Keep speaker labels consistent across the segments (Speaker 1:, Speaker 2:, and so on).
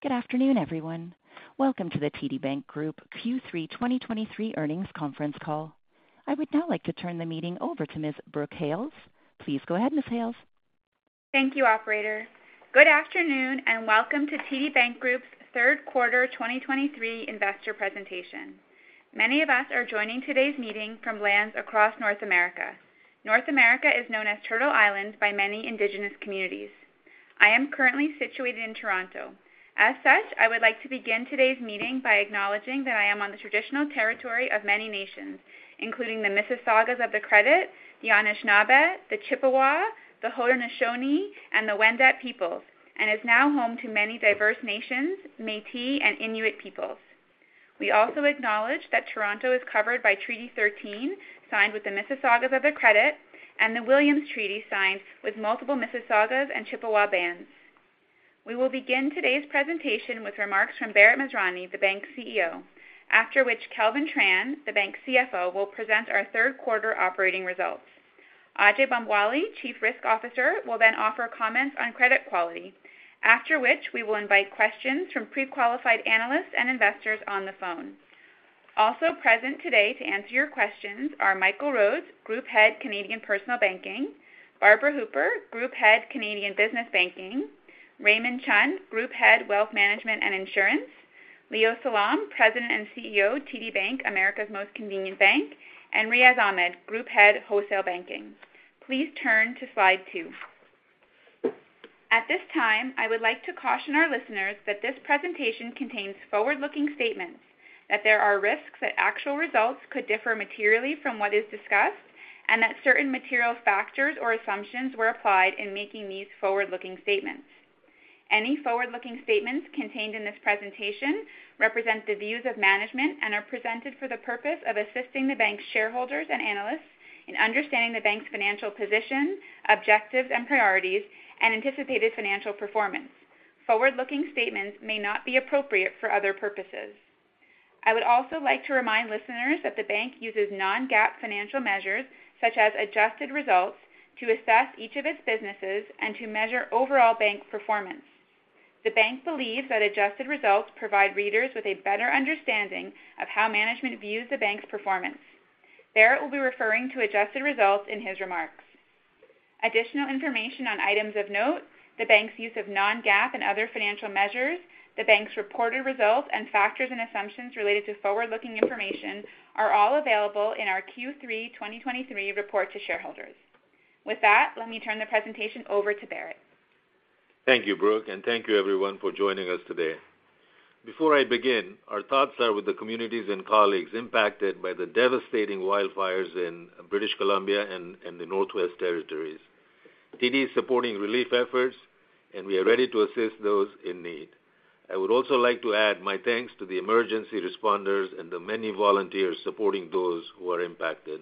Speaker 1: Good afternoon, everyone. Welcome to the TD Bank Group Q3 2023 earnings conference call. I would now like to turn the meeting over to Ms. Brooke Hales. Please go ahead, Ms. Hales.
Speaker 2: Thank you, operator. Good afternoon, and welcome to TD Bank Group's Q3 2023 investor presentation. Many of us are joining today's meeting from lands across North America. North America is known as Turtle Island by many Indigenous communities. I am currently situated in Toronto. As such, I would like to begin today's meeting by acknowledging that I am on the traditional territory of many nations, including the Mississaugas of the Credit, the Anishinaabe, the Chippewa, the Haudenosaunee, and the Wendat peoples, and is now home to many diverse nations, Métis and Inuit peoples. We also acknowledge that Toronto is covered by Treaty 13, signed with the Mississaugas of the Credit, and the Williams Treaty, signed with multiple Mississaugas and Chippewa bands. We will begin today's presentation with remarks from Bharat Masrani, the bank's CEO, after which Kelvin Tran, the bank's CFO, will present our Q3 operating results. Ajai Bambawale, Chief Risk Officer, will then offer comments on credit quality, after which we will invite questions from pre-qualified analysts and investors on the phone. Also present today to answer your questions are Michael Rhodes, Group Head, Canadian Personal Banking; Barbara Hooper, Group Head, Canadian Business Banking; Raymond Chun, Group Head, Wealth Management and Insurance; Leo Salom, President and CEO, TD Bank, America's Most Convenient Bank; and Riaz Ahmed, Group Head, Wholesale Banking. Please turn to slide two. At this time, I would like to caution our listeners that this presentation contains forward-looking statements, that there are risks that actual results could differ materially from what is discussed, and that certain material factors or assumptions were applied in making these forward-looking statements. Any forward-looking statements contained in this presentation represent the views of management and are presented for the purpose of assisting the bank's shareholders and analysts in understanding the bank's financial position, objectives and priorities, and anticipated financial performance. Forward-looking statements may not be appropriate for other purposes. I would also like to remind listeners that the bank uses non-GAAP financial measures, such as adjusted results, to assess each of its businesses and to measure overall bank performance. The bank believes that adjusted results provide readers with a better understanding of how management views the bank's performance. Bharat will be referring to adjusted results in his remarks. Additional information on items of note, the bank's use of non-GAAP and other financial measures, the bank's reported results, and factors and assumptions related to forward-looking information are all available in our Q3 2023 report to shareholders. With that, let me turn the presentation over to Bharat.
Speaker 3: Thank you, Brooke, and thank you everyone for joining us today. Before I begin, our thoughts are with the communities and colleagues impacted by the devastating wildfires in British Columbia and the Northwest Territories. TD is supporting relief efforts, and we are ready to assist those in need. I would also like to add my thanks to the emergency responders and the many volunteers supporting those who are impacted.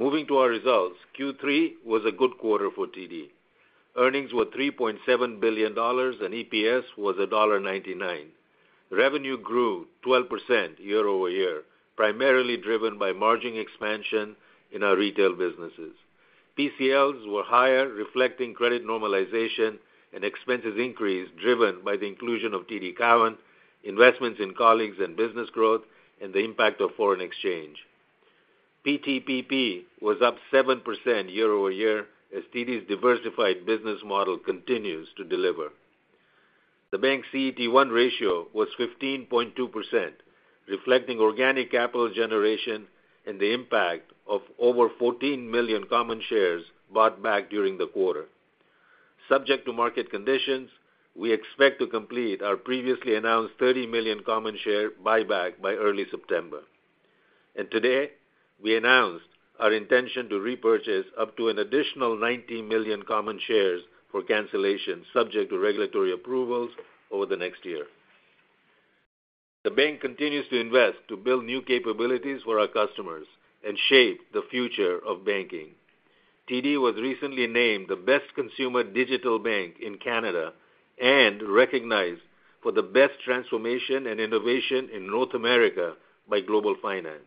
Speaker 3: Moving to our results, Q3 was a good quarter for TD. Earnings were 3.7 billion dollars, and EPS was dollar 1.99. Revenue grew 12% year-over-year, primarily driven by margin expansion in our retail businesses. PCLs were higher, reflecting credit normalization and expenses increase, driven by the inclusion of TD Cowen, investments in colleagues and business growth, and the impact of foreign exchange. PTPP was up 7% year-over-year, as TD's diversified business model continues to deliver. The bank's CET1 ratio was 15.2%, reflecting organic capital generation and the impact of over 14 million common shares bought back during the quarter. Subject to market conditions, we expect to complete our previously announced 30 million common share buyback by early September. Today, we announced our intention to repurchase up to an additional 90 million common shares for cancellation, subject to regulatory approvals over the next year. The bank continues to invest to build new capabilities for our customers and shape the future of banking. TD was recently named the Best Consumer Digital Bank in Canada and recognized for the Best Transformation and Innovation in North America by Global Finance.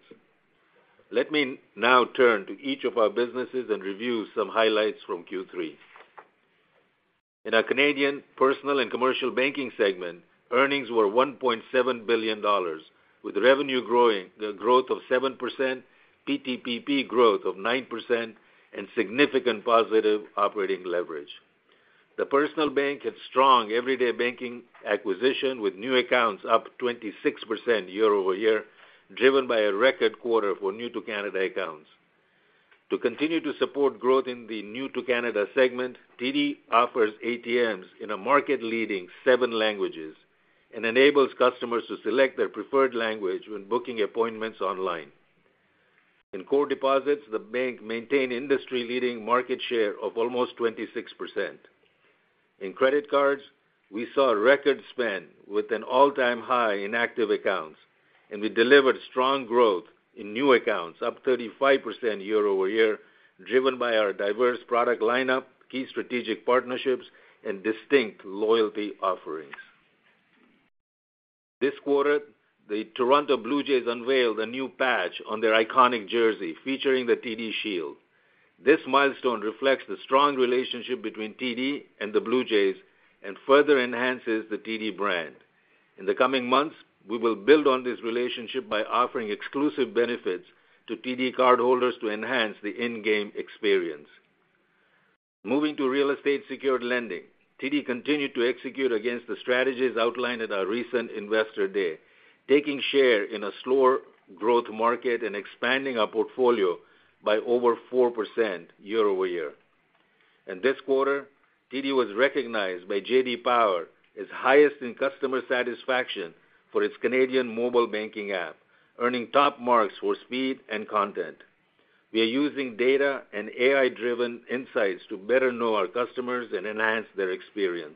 Speaker 3: Let me now turn to each of our businesses and review some highlights from Q3. In our Canadian Personal and Commercial Banking segment, earnings were 1.7 billion dollars, with revenue growing, the growth of 7%, PTPP growth of 9%, and significant positive operating leverage. The personal bank had strong everyday banking acquisition, with new accounts up 26% year-over-year, driven by a record quarter for New to Canada accounts. To continue to support growth in the New to Canada segment, TD offers ATMs in a market-leading 7 languages and enables customers to select their preferred language when booking appointments online. In core deposits, the bank maintained industry-leading market share of almost 26%. In credit cards, we saw a record spend with an all-time high in active accounts, and we delivered strong growth in new accounts, up 35% year-over-year, driven by our diverse product lineup, key strategic partnerships, and distinct loyalty offerings.... This quarter, the Toronto Blue Jays unveiled a new patch on their iconic jersey, featuring the TD Shield. This milestone reflects the strong relationship between TD and the Blue Jays and further enhances the TD brand. In the coming months, we will build on this relationship by offering exclusive benefits to TD cardholders to enhance the in-game experience. Moving to real estate-secured lending, TD continued to execute against the strategies outlined at our recent Investor Day, taking share in a slower growth market and expanding our portfolio by over 4% year-over-year. This quarter, TD was recognized by J.D. Power as highest in customer satisfaction for its Canadian mobile banking app, earning top marks for speed and content. We are using data and AI-driven insights to better know our customers and enhance their experience.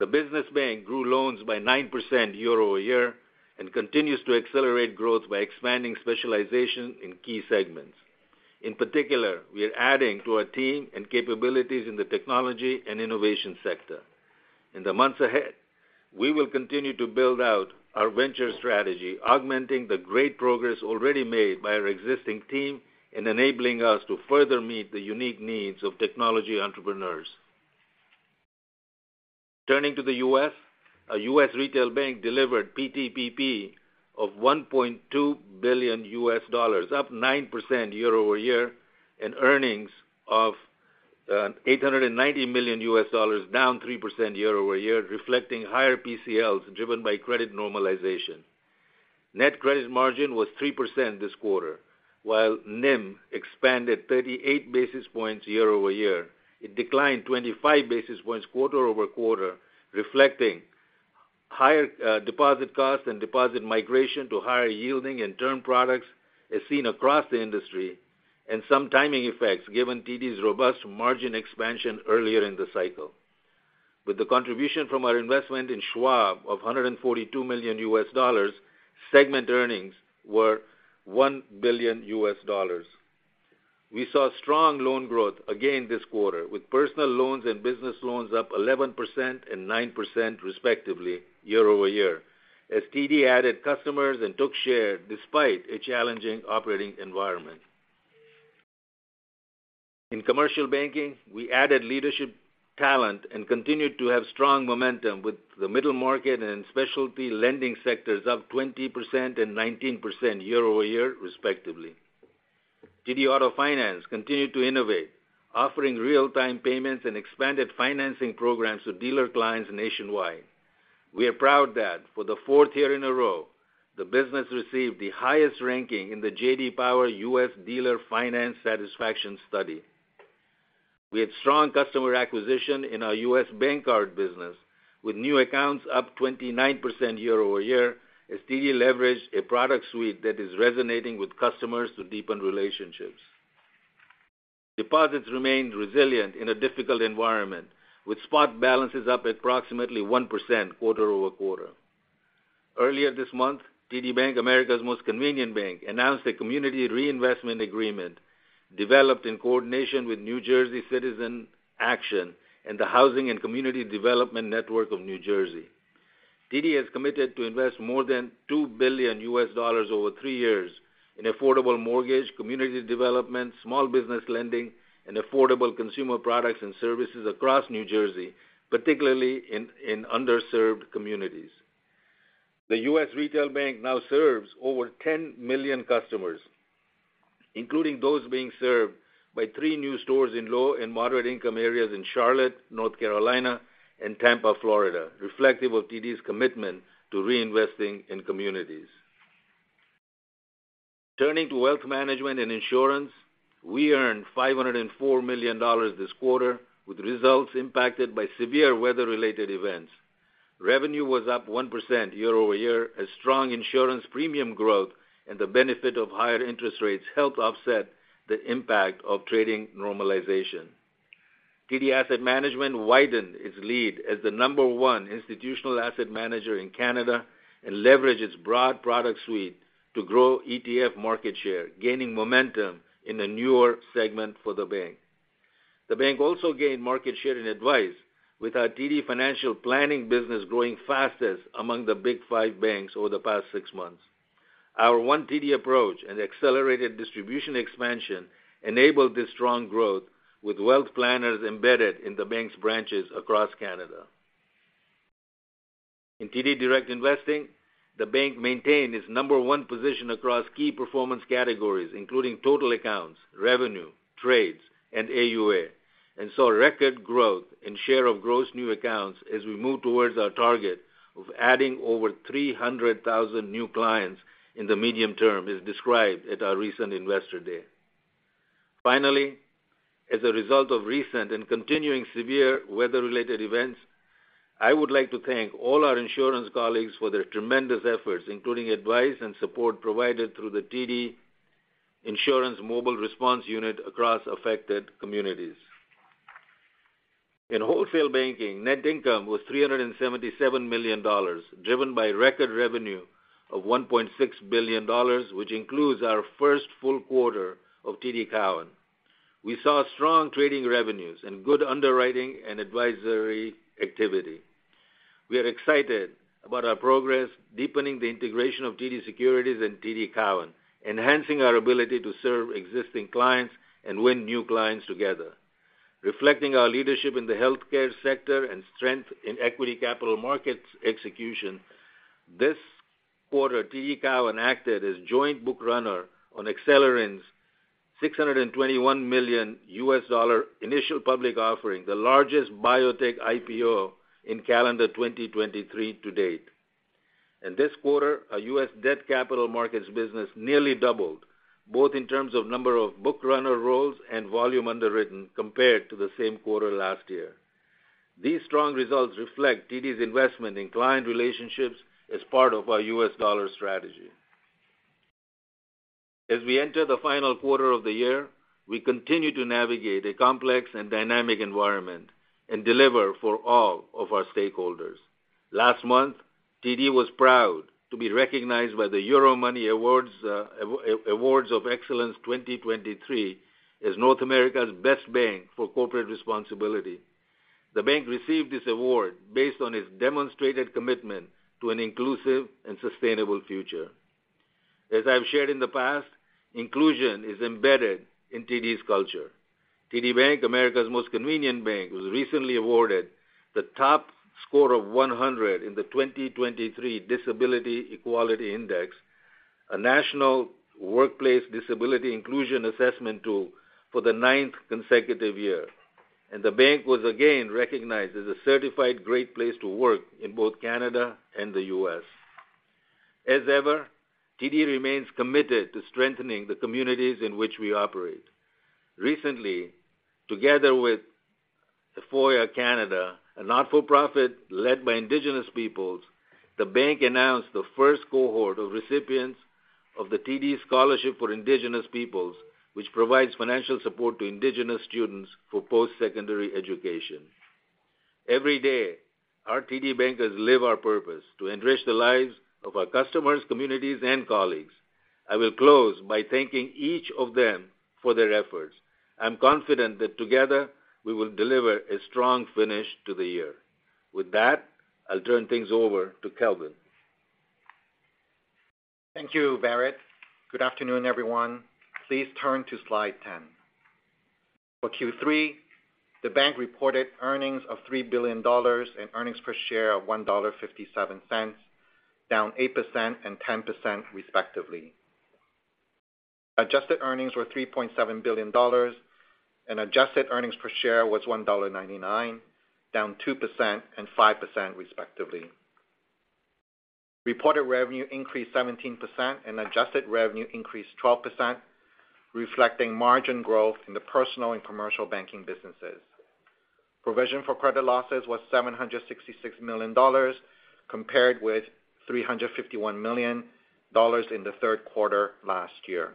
Speaker 3: The business bank grew loans by 9% year-over-year and continues to accelerate growth by expanding specialization in key segments. In particular, we are adding to our team and capabilities in the technology and innovation sector. In the months ahead, we will continue to build out our venture strategy, augmenting the great progress already made by our existing team and enabling us to further meet the unique needs of technology entrepreneurs. Turning to the U.S., our U.S. Retail Bank delivered PTPP of $1.2 billion, up 9% year-over-year, and earnings of eight hundred and ninety million U.S. dollars, down 3% year-over-year, reflecting higher PCLs, driven by credit normalization. Net credit margin was 3% this quarter, while NIM expanded 38 basis points year-over-year. It declined 25 basis points quarter-over-quarter, reflecting higher deposit costs and deposit migration to higher-yielding and term products, as seen across the industry, and some timing effects, given TD's robust margin expansion earlier in the cycle. With the contribution from our investment in Schwab of $142 million, segment earnings were $1 billion. We saw strong loan growth again this quarter, with personal loans and business loans up 11% and 9%, respectively, year-over-year, as TD added customers and took share despite a challenging operating environment. In commercial banking, we added leadership talent and continued to have strong momentum with the middle market and specialty lending sectors up 20% and 19% year-over-year, respectively. TD Auto Finance continued to innovate, offering real-time payments and expanded financing programs to dealer clients nationwide. We are proud that for the fourth year in a row, the business received the highest ranking in the J.D. Power U.S. Dealer Finance Satisfaction Study. We had strong customer acquisition in our U.S. bank card business, with new accounts up 29% year-over-year, as TD leveraged a product suite that is resonating with customers to deepen relationships. Deposits remained resilient in a difficult environment, with spot balances up approximately 1% quarter-over-quarter. Earlier this month, TD Bank, America's Most Convenient Bank, announced a community reinvestment agreement developed in coordination with New Jersey Citizen Action and the Housing and Community Development Network of New Jersey. TD has committed to invest more than $2 billion over three years in affordable mortgage, community development, small business lending, and affordable consumer products and services across New Jersey, particularly in underserved communities. The U.S. Retail Bank now serves over 10 million customers, including those being served by three new stores in low and moderate-income areas in Charlotte, North Carolina, and Tampa, Florida, reflective of TD's commitment to reinvesting in communities. Turning to Wealth Management and Insurance, we earned 504 million dollars this quarter, with results impacted by severe weather-related events. Revenue was up 1% year-over-year, as strong insurance premium growth and the benefit of higher interest rates helped offset the impact of trading normalization. TD Asset Management widened its lead as the number one institutional asset manager in Canada and leveraged its broad product suite to grow ETF market share, gaining momentum in a newer segment for the bank. The bank also gained market share and advice, with our TD Financial Planning business growing fastest among the Big Five banks over the past six months. Our One TD approach and accelerated distribution expansion enabled this strong growth, with wealth planners embedded in the bank's branches across Canada. In TD Direct Investing, the bank maintained its number one position across key performance categories, including total accounts, revenue, trades, and AUA, and saw record growth in share of gross new accounts as we move towards our target of adding over 300,000 new clients in the medium term, as described at our recent Investor Day. Finally, as a result of recent and continuing severe weather-related events, I would like to thank all our insurance colleagues for their tremendous efforts, including advice and support provided through the TD Insurance Mobile Response Unit across affected communities. In Wholesale Banking, net income was 377 million dollars, driven by record revenue of 1.6 billion dollars, which includes our first full quarter of TD Cowen.... We saw strong trading revenues and good underwriting and advisory activity. We are excited about our progress, deepening the integration of TD Securities and TD Cowen, enhancing our ability to serve existing clients and win new clients together. Reflecting our leadership in the healthcare sector and strength in equity capital markets execution, this quarter, TD Cowen acted as joint book runner on Acelyrin $621 million initial public offering, the largest biotech IPO in calendar 2023 to date. In this quarter, our U.S. debt capital markets business nearly doubled, both in terms of number of book runner roles and volume underwritten compared to the same quarter last year. These strong results reflect TD's investment in client relationships as part of our U.S. dollar strategy. As we enter the final quarter of the year, we continue to navigate a complex and dynamic environment and deliver for all of our stakeholders. Last month, TD was proud to be recognized by the Euromoney Awards of Excellence 2023, as North America's Best Bank for Corporate Responsibility. The bank received this award based on its demonstrated commitment to an inclusive and sustainable future. As I've shared in the past, inclusion is embedded in TD's culture. TD Bank, America's Most Convenient Bank, was recently awarded the top score of 100 in the 2023 Disability Equality Index, a national workplace disability inclusion assessment tool for the ninth consecutive year, and the bank was again recognized as a certified Great Place to Work in both Canada and the U.S. As ever, TD remains committed to strengthening the communities in which we operate. Recently, together with Indspire, a not-for-profit led by Indigenous peoples, the bank announced the first cohort of recipients of the TD Scholarship for Indigenous Peoples, which provides financial support to Indigenous students for post-secondary education. Every day, our TD bankers live our purpose to enrich the lives of our customers, communities, and colleagues. I will close by thanking each of them for their efforts. I'm confident that together, we will deliver a strong finish to the year. With that, I'll turn things over to Kelvin.
Speaker 4: Thank you, Bharat. Good afternoon, everyone. Please turn to slide 10. For Q3, the bank reported earnings of 3 billion dollars and earnings per share of 1.57 dollar, down 8% and 10%, respectively. Adjusted earnings were 3.7 billion dollars, and adjusted earnings per share was 1.99 dollar, down 2% and 5%, respectively. Reported revenue increased 17% and adjusted revenue increased 12%, reflecting margin growth in the personal and commercial banking businesses. Provision for credit losses was 766 million dollars, compared with 351 million dollars in the Q3 last year.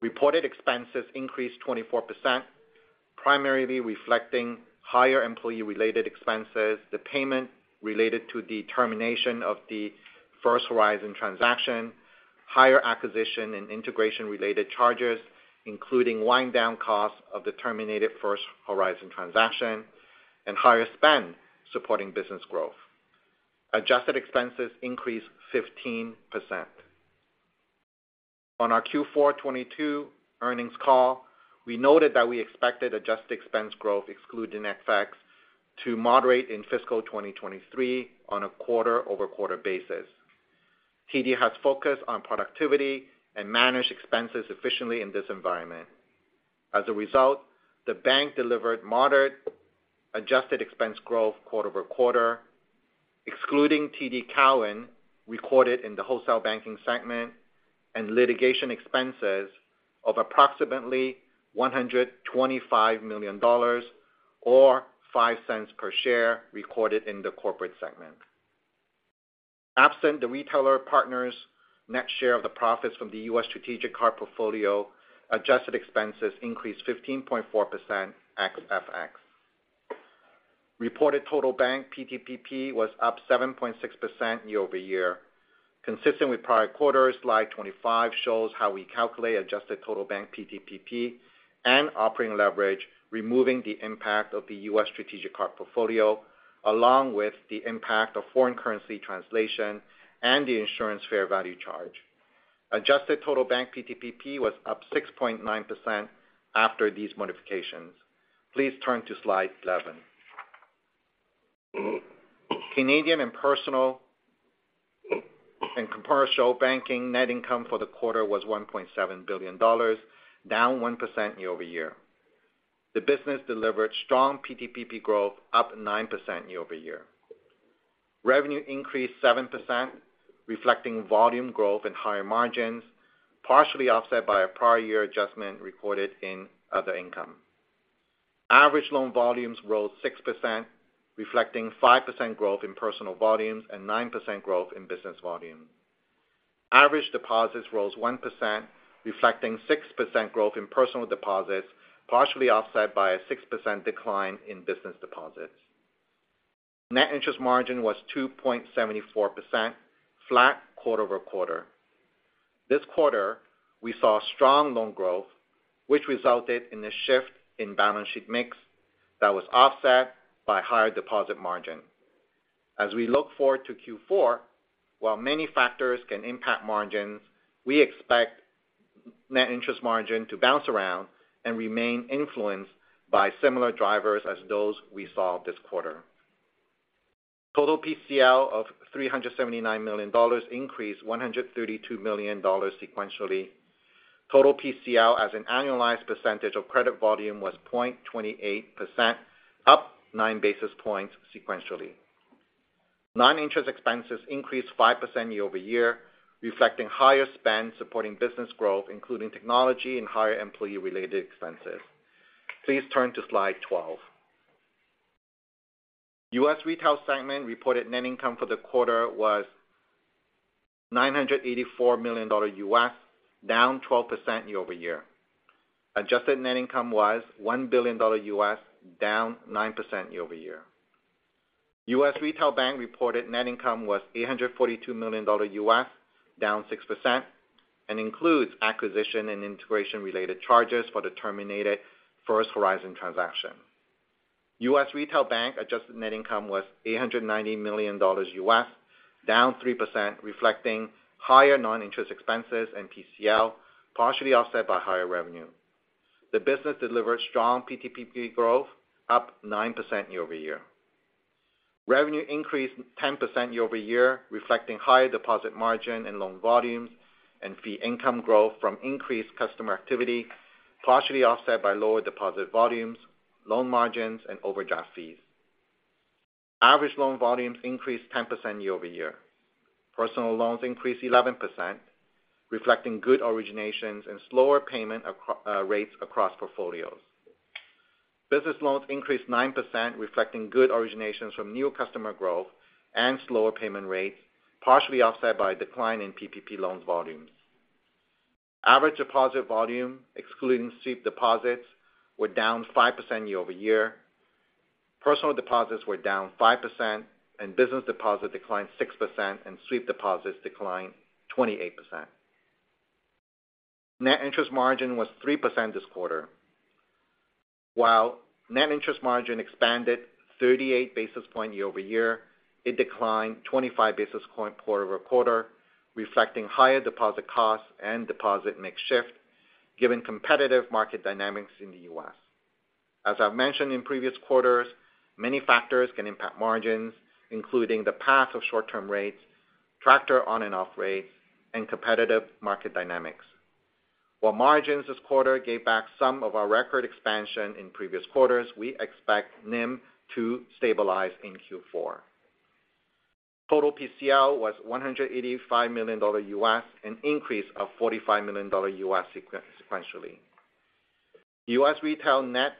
Speaker 4: Reported expenses increased 24%, primarily reflecting higher employee-related expenses, the payment related to the termination of the First Horizon transaction, higher acquisition and integration-related charges, including wind down costs of the terminated First Horizon transaction, and higher spend supporting business growth. Adjusted expenses increased 15%. On our Q4 2022 earnings call, we noted that we expected adjusted expense growth, excluding FX, to moderate in fiscal 2023 on a quarter-over-quarter basis. TD has focused on productivity and manage expenses efficiently in this environment. As a result, the bank delivered moderate adjusted expense growth quarter-over-quarter, excluding TD Cowen, recorded in the Wholesale Banking segment, and litigation expenses of approximately 125 million dollars or 0.05 per share, recorded in the Corporate segment. Absent the retailer partners, net share of the profits from the U.S. strategic card portfolio, adjusted expenses increased 15.4% ex FX. Reported total bank PTPP was up 7.6% year-over-year. Consistent with prior quarters, slide 25 shows how we calculate adjusted total bank PTPP and operating leverage, removing the impact of the U.S. strategic card portfolio, along with the impact of foreign currency translation and the insurance fair value charge. Adjusted total bank PTPP was up 6.9% after these modifications. Please turn to slide 11. Canadian Personal and Commercial Banking net income for the quarter was 1.7 billion dollars, down 1% year-over-year. The business delivered strong PTPP growth, up 9% year-over-year. Revenue increased 7%, reflecting volume growth and higher margins, partially offset by a prior year adjustment recorded in other income. Average loan volumes rose 6%, reflecting 5% growth in personal volumes and 9% growth in business volume. Average deposits rose 1%, reflecting 6% growth in personal deposits, partially offset by a 6% decline in business deposits. Net interest margin was 2.74%, flat quarter-over-quarter. This quarter, we saw strong loan growth, which resulted in a shift in balance sheet mix that was offset by higher deposit margin. As we look forward to Q4, while many factors can impact margins, we expect net interest margin to bounce around and remain influenced by similar drivers as those we saw this quarter. Total PCL of 379 million dollars increased 132 million dollars sequentially. Total PCL as an annualized percentage of credit volume was 0.28%, up 9 basis points sequentially. Non-interest expenses increased 5% year-over-year, reflecting higher spend supporting business growth, including technology and higher employee-related expenses. Please turn to slide 12. U.S. Retail segment reported net income for the quarter was $984 million, down 12% year-over-year. Adjusted net income was $1 billion, down 9% year-over-year. U.S. Retail Bank reported net income was $842 million, down 6%, and includes acquisition and integration-related charges for the terminated First Horizon transaction. U.S. Retail Bank adjusted net income was $890 million, down 3%, reflecting higher non-interest expenses and PCL, partially offset by higher revenue. The business delivered strong PTP growth, up 9% year-over-year. Revenue increased 10% year-over-year, reflecting higher deposit margin and loan volumes, and fee income growth from increased customer activity, partially offset by lower deposit volumes, loan margins and overdraft fees. Average loan volumes increased 10% year-over-year. Personal loans increased 11%, reflecting good originations and slower payment rates across portfolios. Business loans increased 9%, reflecting good originations from new customer growth and slower payment rates, partially offset by a decline in PPP loans volumes. Average deposit volume, excluding sweep deposits, were down 5% year-over-year. Personal deposits were down 5%, and business deposit declined 6%, and sweep deposits declined 28%. Net interest margin was 3% this quarter. While net interest margin expanded 38 basis point year-over-year, it declined 25 basis point quarter-over-quarter, reflecting higher deposit costs and deposit mix shift, given competitive market dynamics in the U.S. As I've mentioned in previous quarters, many factors can impact margins, including the path of short-term rates, take-on and off rates, and competitive market dynamics. While margins this quarter gave back some of our record expansion in previous quarters, we expect NIM to stabilize in Q4. Total PCL was $185 million, an increase of $45 million sequentially. U.S. Retail net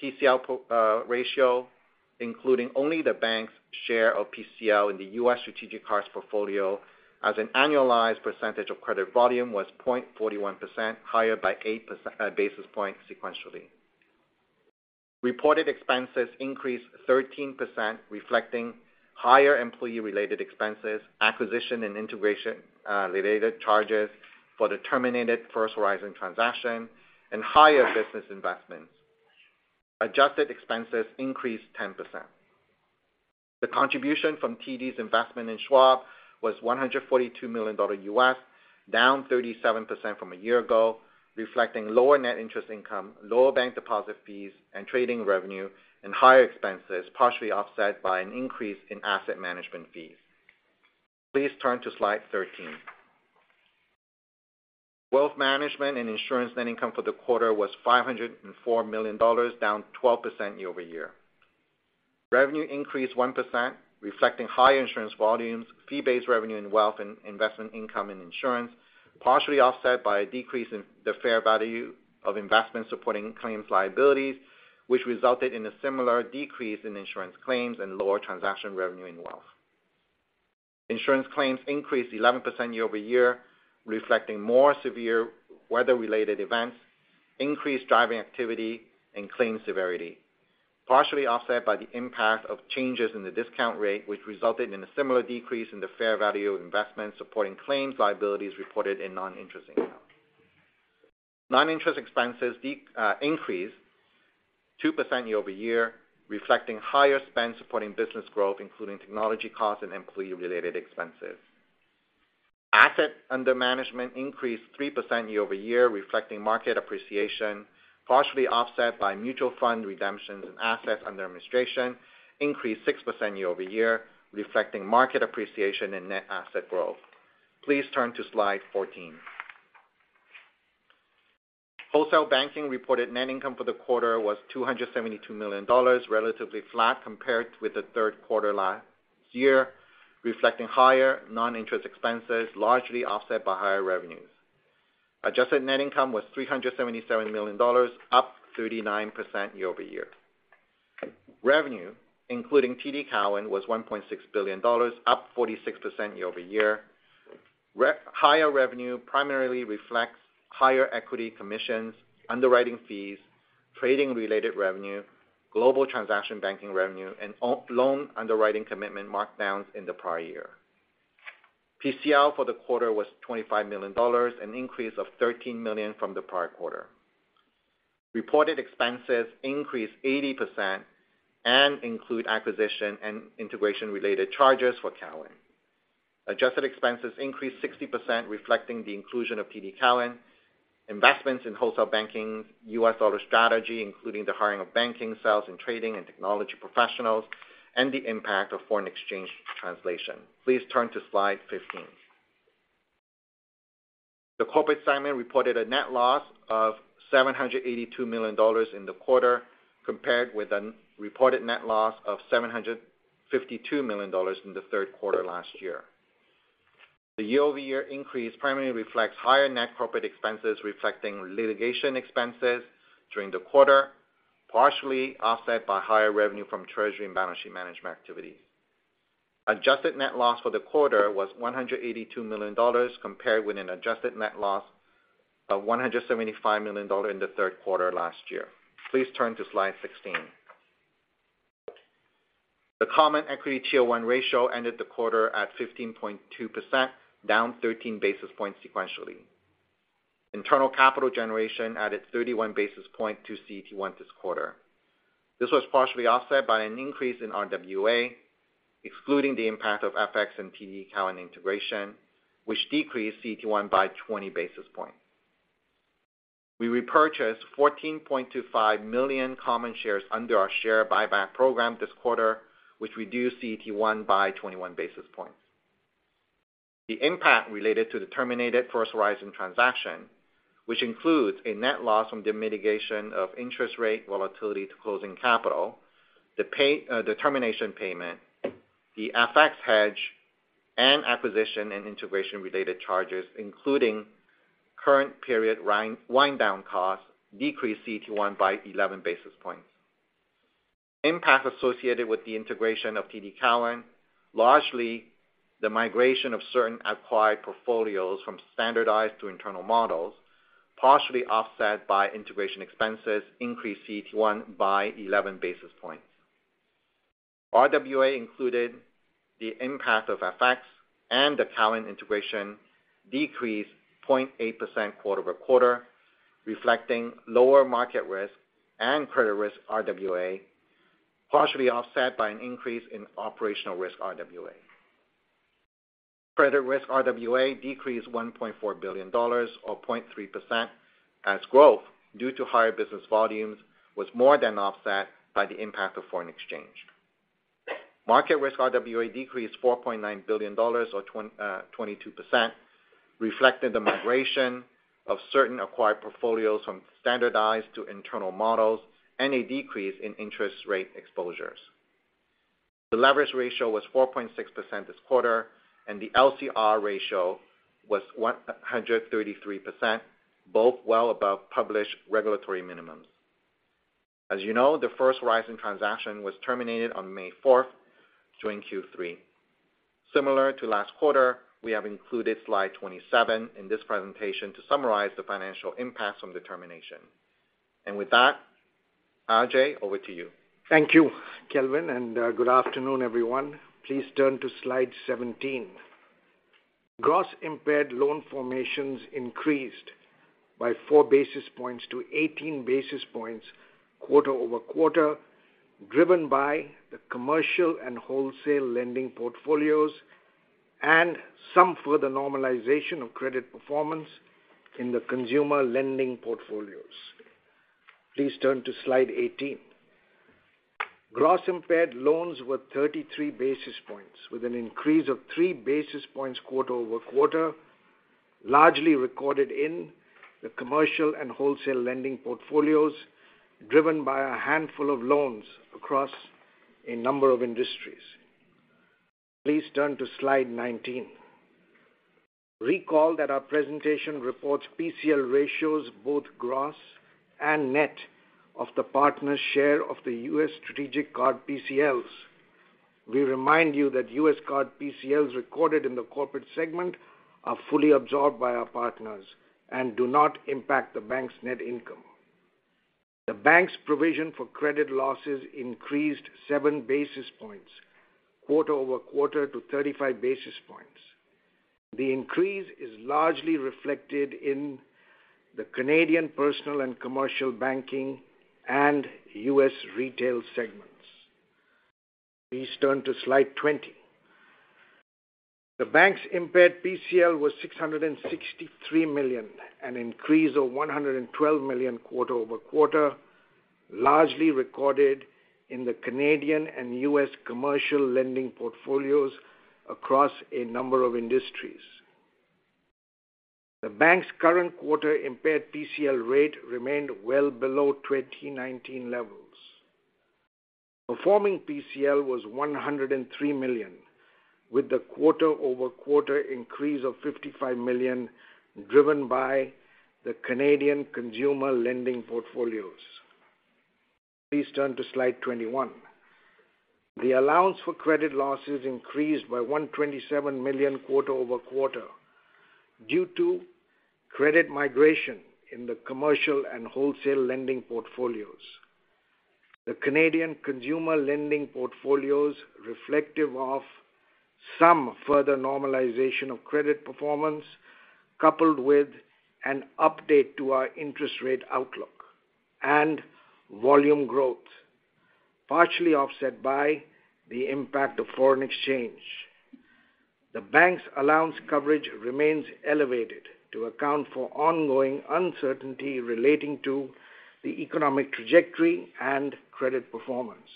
Speaker 4: PCL ratio, including only the bank's share of PCL in the U.S. strategic cards portfolio as an annualized percentage of credit volume, was 0.41%, higher by eight basis points sequentially. Reported expenses increased 13%, reflecting higher employee-related expenses, acquisition and integration related charges for the terminated First Horizon transaction, and higher business investments. Adjusted expenses increased 10%. The contribution from TD's investment in Schwab was $142 million, down 37% from a year ago, reflecting lower net interest income, lower bank deposit fees and trading revenue, and higher expenses, partially offset by an increase in asset management fees. Please turn to slide 13. Wealth Management and Insurance net income for the quarter was 504 million dollars, down 12% year-over-year. Revenue increased 1%, reflecting higher insurance volumes, fee-based revenue in wealth and investment income and insurance, partially offset by a decrease in the fair value of investments supporting claims liabilities, which resulted in a similar decrease in insurance claims and lower transaction revenue in wealth. Insurance claims increased 11% year over year, reflecting more severe weather-related events, increased driving activity and claims severity, partially offset by the impact of changes in the discount rate, which resulted in a similar decrease in the fair value of investments supporting claims liabilities reported in non-interest income. Non-interest expenses increased 2% year over year, reflecting higher spend supporting business growth, including technology costs and employee-related expenses. Assets under management increased 3% year over year, reflecting market appreciation, partially offset by mutual fund redemptions and assets under administration, increased 6% year over year, reflecting market appreciation and net asset growth. Please turn to slide 14. Wholesale Banking reported net income for the quarter was 272 million dollars, relatively flat compared with the Q3 last year, reflecting higher non-interest expenses, largely offset by higher revenues. Adjusted net income was 377 million dollars, up 39% year-over-year. Revenue, including TD Cowen, was 1.6 billion dollars, up 46% year-over-year. Higher revenue primarily reflects higher equity commissions, underwriting fees, trading-related revenue, global transaction banking revenue, and loan underwriting commitment markdowns in the prior year. PCL for the quarter was 25 million dollars, an increase of 13 million from the prior quarter. Reported expenses increased 80% and include acquisition and integration-related charges for Cowen. Adjusted expenses increased 60%, reflecting the inclusion of TD Cowen, investments in wholesale banking, U.S. dollar strategy, including the hiring of banking, sales and trading, and technology professionals, and the impact of foreign exchange translation. Please turn to Slide 15. The Corporate segment reported a net loss of 782 million dollars in the quarter, compared with a reported net loss of 752 million dollars in the Q3 last year. The year-over-year increase primarily reflects higher net corporate expenses, reflecting litigation expenses during the quarter, partially offset by higher revenue from treasury and balance sheet management activities. Adjusted net loss for the quarter was 182 million dollars, compared with an adjusted net loss of 175 million dollars in the Q3 last year. Please turn to Slide 16. The Common Equity Tier 1 ratio ended the quarter at 15.2%, down 13 basis points sequentially. Internal capital generation added 31 basis points to CET1 this quarter. This was partially offset by an increase in RWA, excluding the impact of FX and TD Cowen integration, which decreased CET1 by 20 basis points. We repurchased 14.25 million common shares under our share buyback program this quarter, which reduced CET1 by 21 basis points. The impact related to the terminated First Horizon transaction, which includes a net loss from the mitigation of interest rate volatility to closing capital, the pay, the termination payment, the FX hedge, and acquisition and integration-related charges, including current period wind down costs, decreased CET1 by 11 basis points. Impact associated with the integration of TD Cowen, largely the migration of certain acquired portfolios from standardized to internal models, partially offset by integration expenses, increased CET1 by 11 basis points. RWA included the impact of FX and the Cowen integration decreased 0.8% quarter-over-quarter, reflecting lower market risk and credit risk RWA, partially offset by an increase in operational risk RWA. Credit risk RWA decreased 1.4 billion dollars, or 0.3%, as growth due to higher business volumes was more than offset by the impact of foreign exchange. Market risk RWA decreased 4.9 billion dollars, or 22%, reflecting the migration of certain acquired portfolios from standardized to internal models, and a decrease in interest rate exposures. The leverage ratio was 4.6% this quarter, and the LCR ratio was 133%, both well above published regulatory minimums. As you know, the First Horizon transaction was terminated on May fourth, during Q3. Similar to last quarter, we have included Slide 27 in this presentation to summarize the financial impacts on the termination. With that, Ajai, over to you.
Speaker 5: Thank you, Kelvin, and good afternoon, everyone. Please turn to Slide 17. Gross impaired loan formations increased by 4 basis points to 18 basis points quarter-over-quarter, driven by the commercial and wholesale lending portfolios and some further normalization of credit performance in the consumer lending portfolios. Please turn to Slide 18. Gross impaired loans were 33 basis points, with an increase of 3 basis points quarter-over-quarter, largely recorded in the commercial and wholesale lending portfolios, driven by a handful of loans across a number of industries. Please turn to Slide 19. Recall that our presentation reports PCL ratios, both gross and net, of the partner's share of the U.S. strategic card PCLs. We remind you that U.S. card PCLs recorded in the Corporate segment are fully absorbed by our partners and do not impact the bank's net income. The bank's provision for credit losses increased 7 basis points, quarter-over-quarter, to 35 basis points. The increase is largely reflected in the Canadian Personal and Commercial Banking and U.S. Retail segments. Please turn to Slide 20. The bank's impaired PCL was 663 million, an increase of 112 million quarter-over-quarter, largely recorded in the Canadian and U.S. commercial lending portfolios across a number of industries. The bank's current quarter impaired PCL rate remained well below 2019 levels. Performing PCL was 103 million, with the quarter-over-quarter increase of 55 million, driven by the Canadian consumer lending portfolios....
Speaker 3: Please turn to slide 21. The allowance for credit losses increased by 127 million quarter-over-quarter due to credit migration in the commercial and wholesale lending portfolios. The Canadian consumer lending portfolios, reflective of some further normalization of credit performance, coupled with an update to our interest rate outlook and volume growth, partially offset by the impact of foreign exchange. The bank's allowance coverage remains elevated to account for ongoing uncertainty relating to the economic trajectory and credit performance.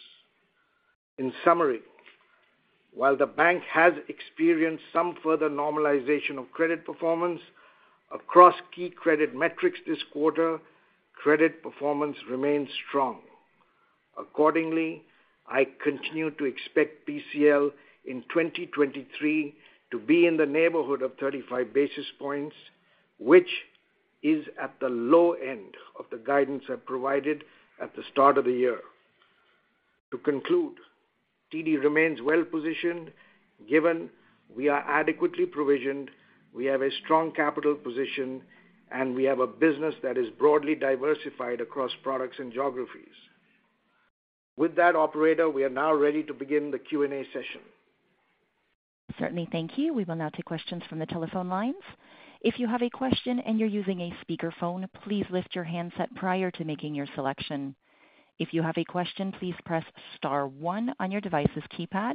Speaker 3: In summary, while the bank has experienced some further normalization of credit performance across key credit metrics this quarter, credit performance remains strong. Accordingly, I continue to expect PCL in 2023 to be in the neighborhood of 35 basis points, which is at the low end of the guidance I provided at the start of the year. To conclude, TD remains well positioned, given we are adequately provisioned, we have a strong capital position, and we have a business that is broadly diversified across products and geographies. With that, operator, we are now ready to begin the Q&A session.
Speaker 1: Certainly. Thank you. We will now take questions from the telephone lines. If you have a question and you're using a speakerphone, please lift your handset prior to making your selection. If you have a question, please press star one on your device's keypad.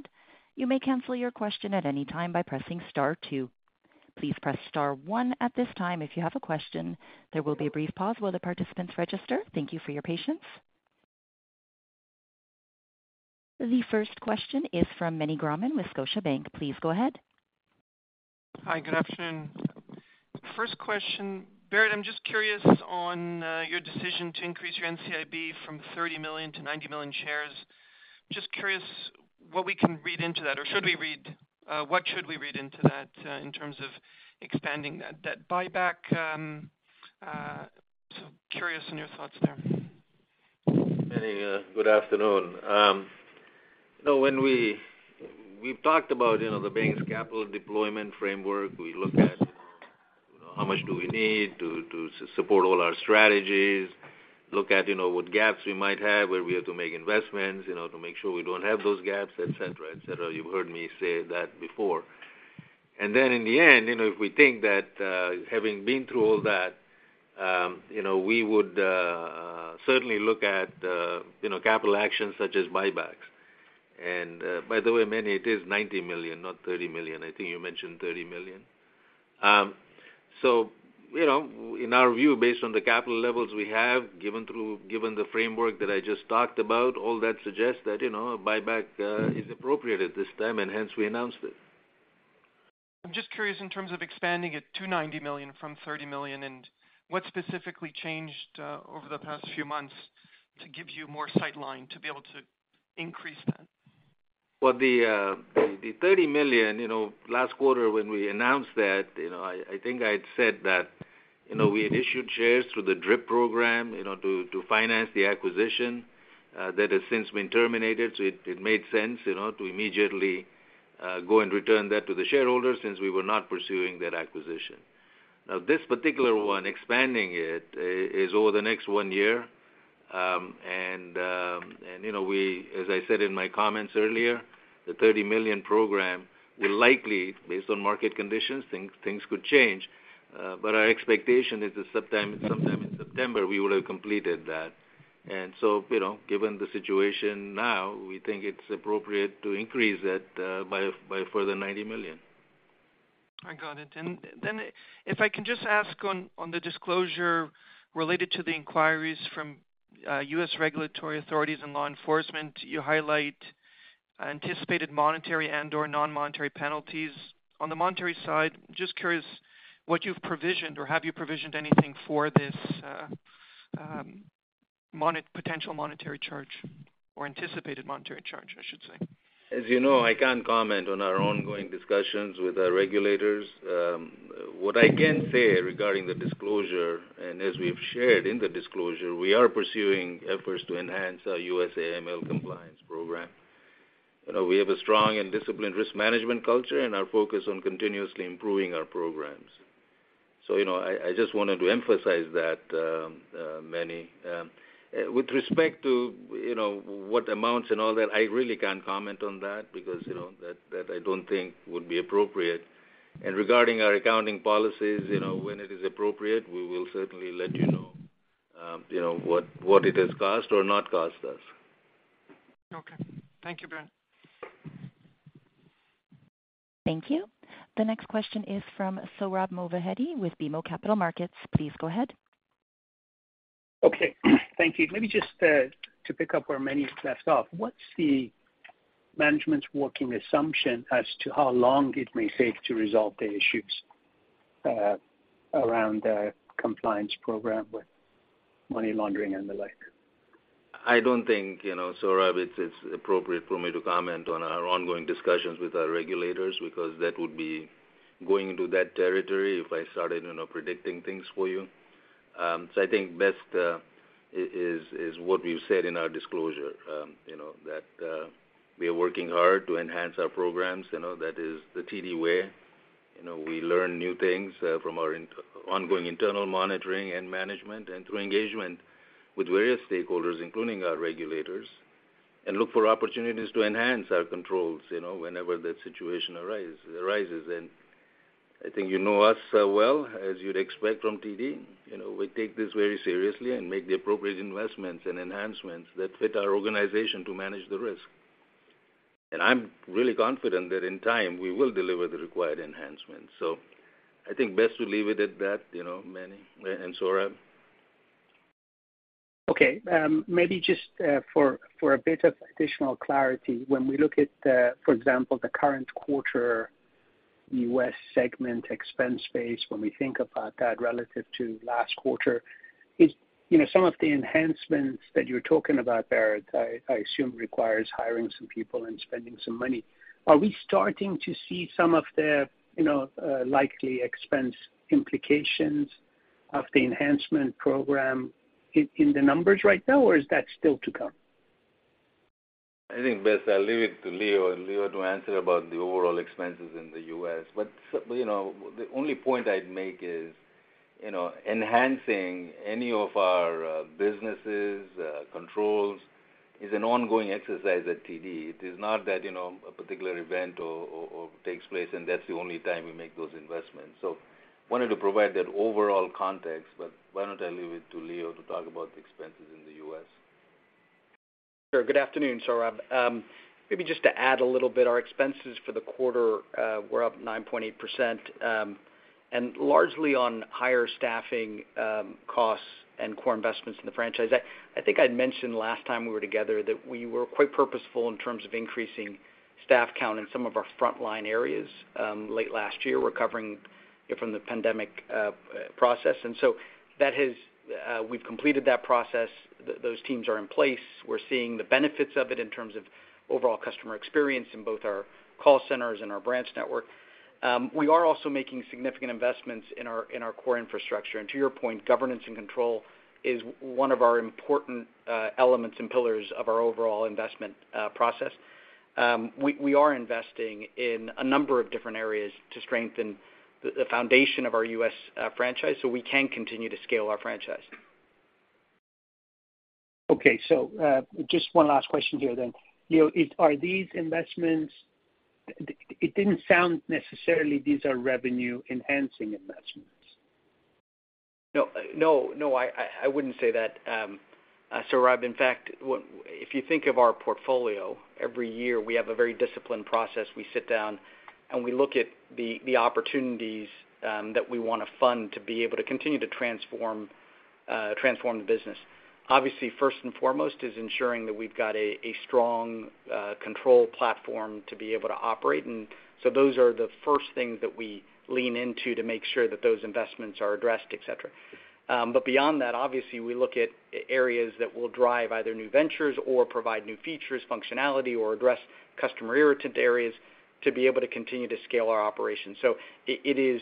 Speaker 1: You may cancel your question at any time by pressing star two. Please press star one at this time if you have a question. There will be a brief pause while the participants register. Thank you for your patience. The first question is from Meny Grauman with Scotiabank. Please go ahead.
Speaker 6: Hi, good afternoon. First question, Bharat, I'm just curious on your decision to increase your NCIB from 30 million to 90 million shares. Just curious what we can read into that, or should we read-- what should we read into that, in terms of expanding that debt buyback, so curious on your thoughts there.
Speaker 3: Meny, good afternoon. You know, when we've talked about, you know, the bank's capital deployment framework, we look at, you know, how much do we need to, to support all our strategies, look at, you know, what gaps we might have, where we have to make investments, you know, to make sure we don't have those gaps, et cetera, et cetera. You've heard me say that before. Then in the end, you know, if we think that, having been through all that, you know, we would certainly look at, you know, capital actions such as buybacks. By the way, Meny, it is 90 million, not 30 million. I think you mentioned 30 million. So you know, in our view, based on the capital levels we have, given the framework that I just talked about, all that suggests that, you know, a buyback is appropriate at this time, and hence we announced it.
Speaker 6: I'm just curious in terms of expanding it to $90 million from $30 million, and what specifically changed over the past few months to give you more sightline to be able to increase that?
Speaker 3: Well, the 30 million, you know, last quarter when we announced that, you know, I think I'd said that, you know, we had issued shares through the DRIP program, you know, to finance the acquisition. That has since been terminated, so it made sense, you know, to immediately go and return that to the shareholders since we were not pursuing that acquisition. Now, this particular one, expanding it, is over the next 1 year, and, you know, we, as I said in my comments earlier, the 30 million program will likely, based on market conditions, things could change, but our expectation is that sometime in September, we would have completed that. And so, you know, given the situation now, we think it's appropriate to increase that by a further 90 million.
Speaker 6: I got it. And then if I can just ask on, on the disclosure related to the inquiries from U.S. regulatory authorities and law enforcement. You highlight anticipated monetary and/or non-monetary penalties. On the monetary side, just curious what you've provisioned or have you provisioned anything for this potential monetary charge or anticipated monetary charge, I should say?
Speaker 3: As you know, I can't comment on our ongoing discussions with our regulators. What I can say regarding the disclosure, and as we've shared in the disclosure, we are pursuing efforts to enhance our U.S. AML compliance program. You know, we have a strong and disciplined risk management culture and are focused on continuously improving our programs. So, you know, I just wanted to emphasize that, Meny. With respect to, you know, what amounts and all that, I really can't comment on that because, you know, that, that I don't think would be appropriate. And regarding our accounting policies, you know, when it is appropriate, we will certainly let you know, you know, what, what it has cost or not cost us.
Speaker 6: Okay. Thank you, Bharat.
Speaker 1: Thank you. The next question is from Sohrab Movahedi with BMO Capital Markets. Please go ahead.
Speaker 7: Okay, thank you. Maybe just to pick up where Meny left off, what's the management's working assumption as to how long it may take to resolve the issues around the compliance program with money laundering and the like?
Speaker 3: I don't think, you know, Sohrab, it's appropriate for me to comment on our ongoing discussions with our regulators, because that would be going into that territory if I started, you know, predicting things for you. … So I think best is what we've said in our disclosure. You know, that we are working hard to enhance our programs. You know, that is the TD way. You know, we learn new things from our ongoing internal monitoring and management, and through engagement with various stakeholders, including our regulators, and look for opportunities to enhance our controls, you know, whenever the situation arises. And I think you know us well, as you'd expect from TD, you know, we take this very seriously and make the appropriate investments and enhancements that fit our organization to manage the risk. And I'm really confident that in time, we will deliver the required enhancements. So I think best to leave it at that, you know, Meny and Sohrab.
Speaker 7: Okay. Maybe just for a bit of additional clarity, when we look at the, for example, the current quarter US segment expense base, when we think about that relative to last quarter, is, you know, some of the enhancements that you're talking about there, I assume requires hiring some people and spending some money. Are we starting to see some of the, you know, likely expense implications of the enhancement program in the numbers right now, or is that still to come?
Speaker 3: I think best I'll leave it to Leo, and Leo to answer about the overall expenses in the U.S. But, so, you know, the only point I'd make is, you know, enhancing any of our businesses, controls is an ongoing exercise at TD. It is not that, you know, a particular event or takes place, and that's the only time we make those investments. So wanted to provide that overall context, but why don't I leave it to Leo to talk about the expenses in the U.S.?
Speaker 8: Sure. Good afternoon, Sohrab. Maybe just to add a little bit, our expenses for the quarter were up 9.8%, and largely on higher staffing costs and core investments in the franchise. I think I'd mentioned last time we were together that we were quite purposeful in terms of increasing staff count in some of our frontline areas late last year, recovering, you know, from the pandemic process. And so that has. We've completed that process. Those teams are in place. We're seeing the benefits of it in terms of overall customer experience in both our call centers and our branch network. We are also making significant investments in our core infrastructure. And to your point, governance and control is one of our important elements and pillars of our overall investment process. We are investing in a number of different areas to strengthen the foundation of our U.S. franchise, so we can continue to scale our franchise.
Speaker 7: Okay. So, just one last question here then. Leo, is--are these investments... It, it didn't sound necessarily these are revenue-enhancing investments.
Speaker 8: No, no. No, I wouldn't say that, Sohrab. In fact, what if you think of our portfolio, every year we have a very disciplined process. We sit down, and we look at the opportunities that we want to fund to be able to continue to transform the business. Obviously, first and foremost is ensuring that we've got a strong control platform to be able to operate, and so those are the first things that we lean into to make sure that those investments are addressed, et cetera. But beyond that, obviously, we look at areas that will drive either new ventures or provide new features, functionality, or address customer irritant areas to be able to continue to scale our operations. So it is.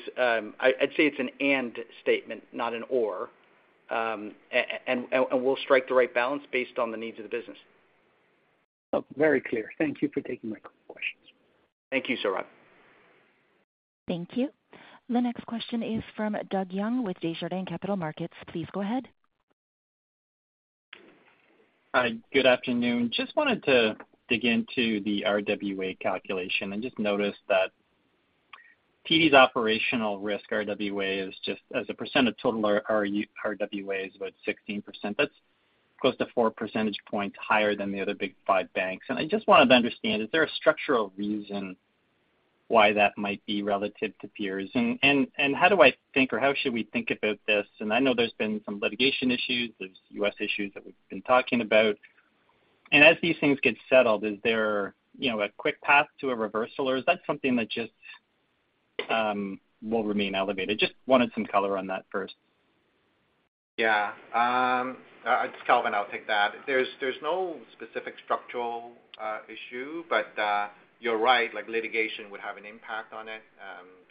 Speaker 8: I'd say it's an and statement, not an or, and we'll strike the right balance based on the needs of the business.
Speaker 7: Oh, very clear. Thank you for taking my quick questions.
Speaker 8: Thank you, Sohrab.
Speaker 1: Thank you. The next question is from Doug Young with Desjardins Capital Markets. Please go ahead.
Speaker 9: Hi, good afternoon. Just wanted to dig into the RWA calculation, and just noticed that TD's operational risk RWA is just as a percent of total RWAs, about 16%. That's close to four percentage points higher than the other big five banks. And I just wanted to understand, is there a structural reason why that might be relative to peers? And how do I think or how should we think about this? And I know there's been some litigation issues, there's U.S. issues that we've been talking about, and as these things get settled, is there, you know, a quick path to a reversal, or is that something that just will remain elevated? Just wanted some color on that first.
Speaker 4: Yeah. It's Kelvin. I'll take that. There's no specific structural issue, but you're right, like, litigation would have an impact on it,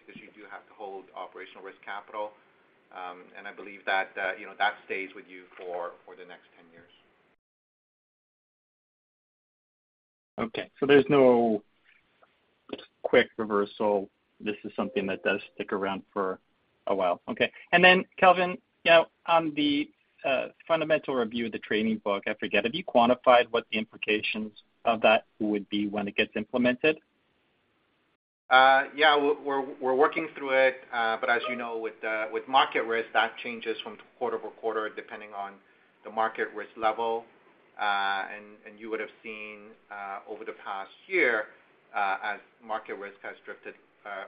Speaker 4: because you do have to hold operational risk capital. And I believe that, you know, that stays with you for the next 10 years.
Speaker 9: Okay. So there's no quick reversal. This is something that does stick around for a while. Okay. And then, Kelvin, now on the Fundamental Review of the Trading Book, I forget, have you quantified what the implications of that would be when it gets implemented?
Speaker 4: Yeah, we're working through it. But as you know, with market risk, that changes quarter-over-quarter, depending on the market risk level. And you would have seen, over the past year, as market risk has drifted,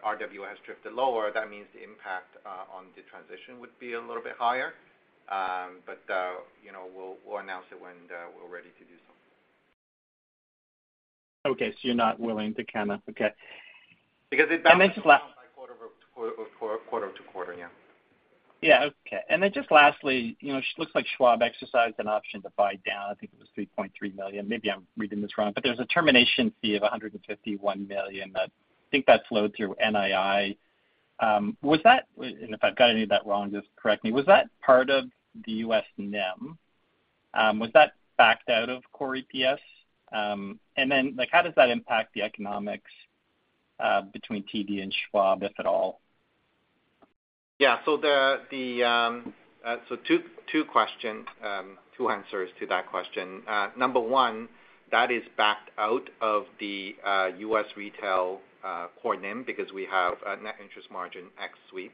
Speaker 4: RWA has drifted lower, that means the impact on the transition would be a little bit higher. But you know, we'll announce it when we're ready to do so.
Speaker 9: Okay, so you're not willing to comment. Okay.
Speaker 4: Because it balances-
Speaker 9: And then just last-
Speaker 4: by quarter-over-quarter, or quarter-to-quarter, yeah.
Speaker 9: Yeah. Okay. And then just lastly, you know, looks like Schwab exercised an option to buy down. I think it was $3.3 million. Maybe I'm reading this wrong, but there's a termination fee of $151 million that I think that flowed through NII. Was that... And if I've got any of that wrong, just correct me. Was that part of the U.S. NIM?... Was that backed out of core EPS? And then, like, how does that impact the economics between TD and Schwab, if at all?
Speaker 4: Yeah. So 2, 2 questions, 2 answers to that question. Number 1, that is backed out of the U.S. Retail core NIM, because we have a net interest margin ex-sweep.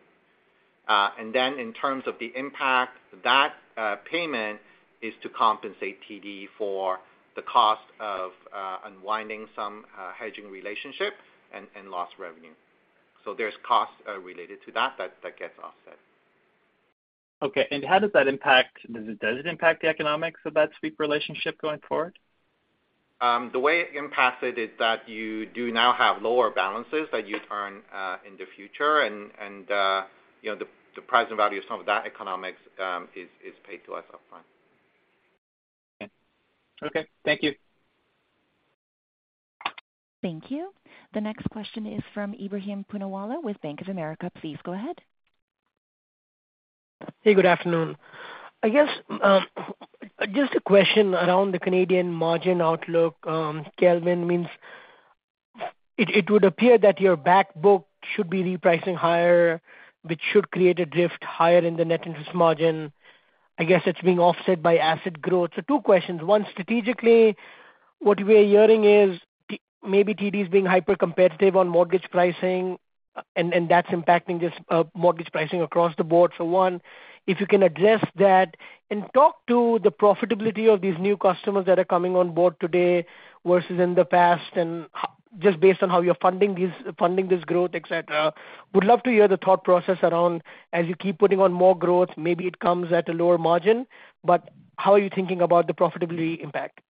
Speaker 4: And then in terms of the impact, that payment is to compensate TD for the cost of unwinding some hedging relationships and lost revenue. So there's costs related to that, that gets offset.
Speaker 9: Okay. How does that impact? Does it impact the economics of that sweep relationship going forward?
Speaker 4: The way it impacts it is that you do now have lower balances that you earn in the future, and you know, the present value of some of that economics is paid to us upfront.
Speaker 9: Okay. Thank you.
Speaker 1: Thank you. The next question is from Ebrahim Poonawala with Bank of America. Please go ahead.
Speaker 10: Hey, good afternoon. I guess just a question around the Canadian margin outlook. Kelvin, it would appear that your back book should be repricing higher, which should create a drift higher in the net interest margin. I guess it's being offset by asset growth. So two questions. One, strategically, what we're hearing is TD maybe is being hyper competitive on mortgage pricing, and that's impacting just mortgage pricing across the board. So one, if you can address that and talk to the profitability of these new customers that are coming on board today versus in the past, and just based on how you're funding this growth, et cetera. Would love to hear the thought process around, as you keep putting on more growth, maybe it comes at a lower margin, but how are you thinking about the profitability impact?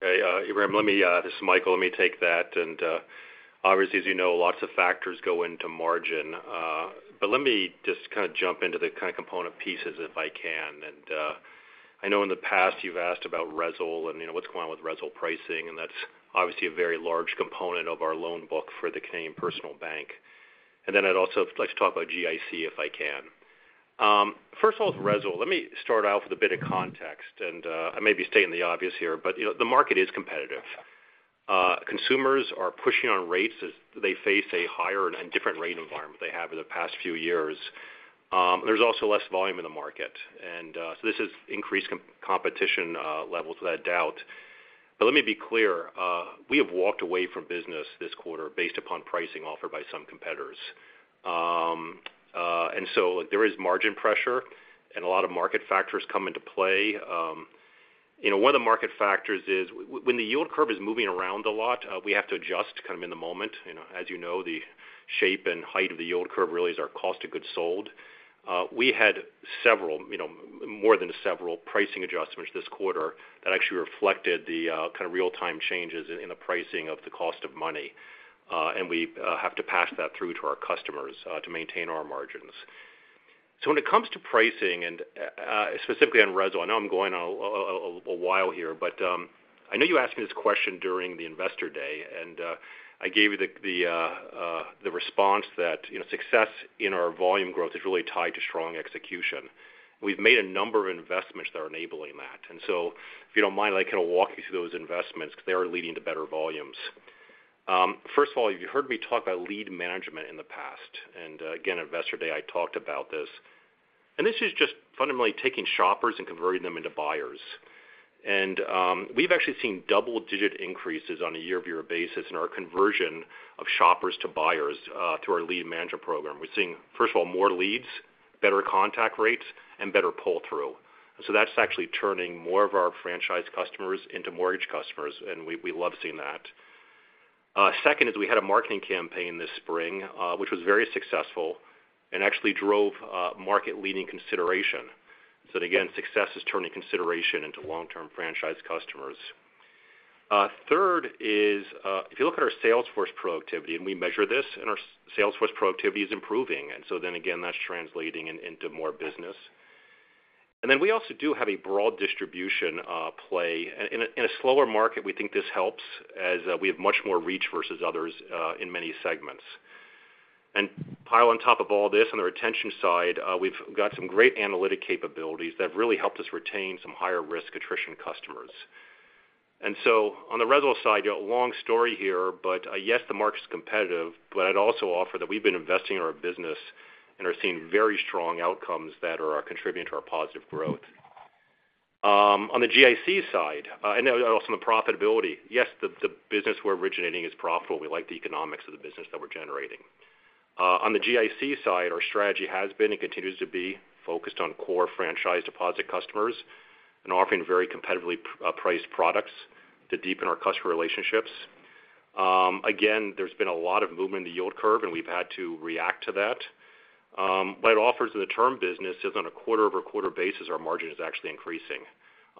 Speaker 11: Hey, Ebrahim, let me, this is Michael, let me take that. Obviously, as you know, lots of factors go into margin. But let me just kind of jump into the kind of component pieces, if I can. I know in the past you've asked about RESL and, you know, what's going on with RESL pricing, and that's obviously a very large component of our loan book for the Canadian Personal Bank. And then I'd also like to talk about GIC, if I can. First of all, with RESL, let me start out with a bit of context, and, I may be stating the obvious here, but, you know, the market is competitive. Consumers are pushing on rates as they face a higher and different rate environment they have in the past few years. There's also less volume in the market. And, so this has increased competition levels, without a doubt. But let me be clear, we have walked away from business this quarter based upon pricing offered by some competitors. And so there is margin pressure and a lot of market factors come into play. You know, one of the market factors is when the yield curve is moving around a lot, we have to adjust kind of in the moment. You know, as you know, the shape and height of the yield curve really is our cost of goods sold. We had several, you know, more than several pricing adjustments this quarter that actually reflected the, kind of real-time changes in, in the pricing of the cost of money. And we have to pass that through to our customers to maintain our margins. So when it comes to pricing and specifically on RESL, I know I'm going on a while here, but I know you asked me this question during the Investor Day, and I gave you the response that, you know, success in our volume growth is really tied to strong execution. We've made a number of investments that are enabling that. So if you don't mind, I'd kind of walk you through those investments, because they are leading to better volumes. First of all, you've heard me talk about lead management in the past, and again, Investor Day, I talked about this. And this is just fundamentally taking shoppers and converting them into buyers. We've actually seen double-digit increases on a year-over-year basis in our conversion of shoppers to buyers through our lead management program. We're seeing, first of all, more leads, better contact rates, and better pull-through. So that's actually turning more of our franchise customers into mortgage customers, and we love seeing that. Second is, we had a marketing campaign this spring, which was very successful and actually drove market-leading consideration. So again, success is turning consideration into long-term franchise customers. Third is, if you look at our sales force productivity, and we measure this, and our sales force productivity is improving, and so then again, that's translating into more business. And then we also do have a broad distribution play. In a slower market, we think this helps, as we have much more reach versus others in many segments. And pile on top of all this, on the retention side, we've got some great analytic capabilities that have really helped us retain some higher risk attrition customers. And so on the RESL side, you know, long story here, but yes, the market's competitive, but I'd also offer that we've been investing in our business and are seeing very strong outcomes that are contributing to our positive growth. On the GIC side, and also on the profitability, yes, the business we're originating is profitable. We like the economics of the business that we're generating. On the GIC side, our strategy has been and continues to be focused on core franchise deposit customers and offering very competitively priced products to deepen our customer relationships. Again, there's been a lot of movement in the yield curve, and we've had to react to that. But offers in the term business is on a quarter-over-quarter basis, our margin is actually increasing.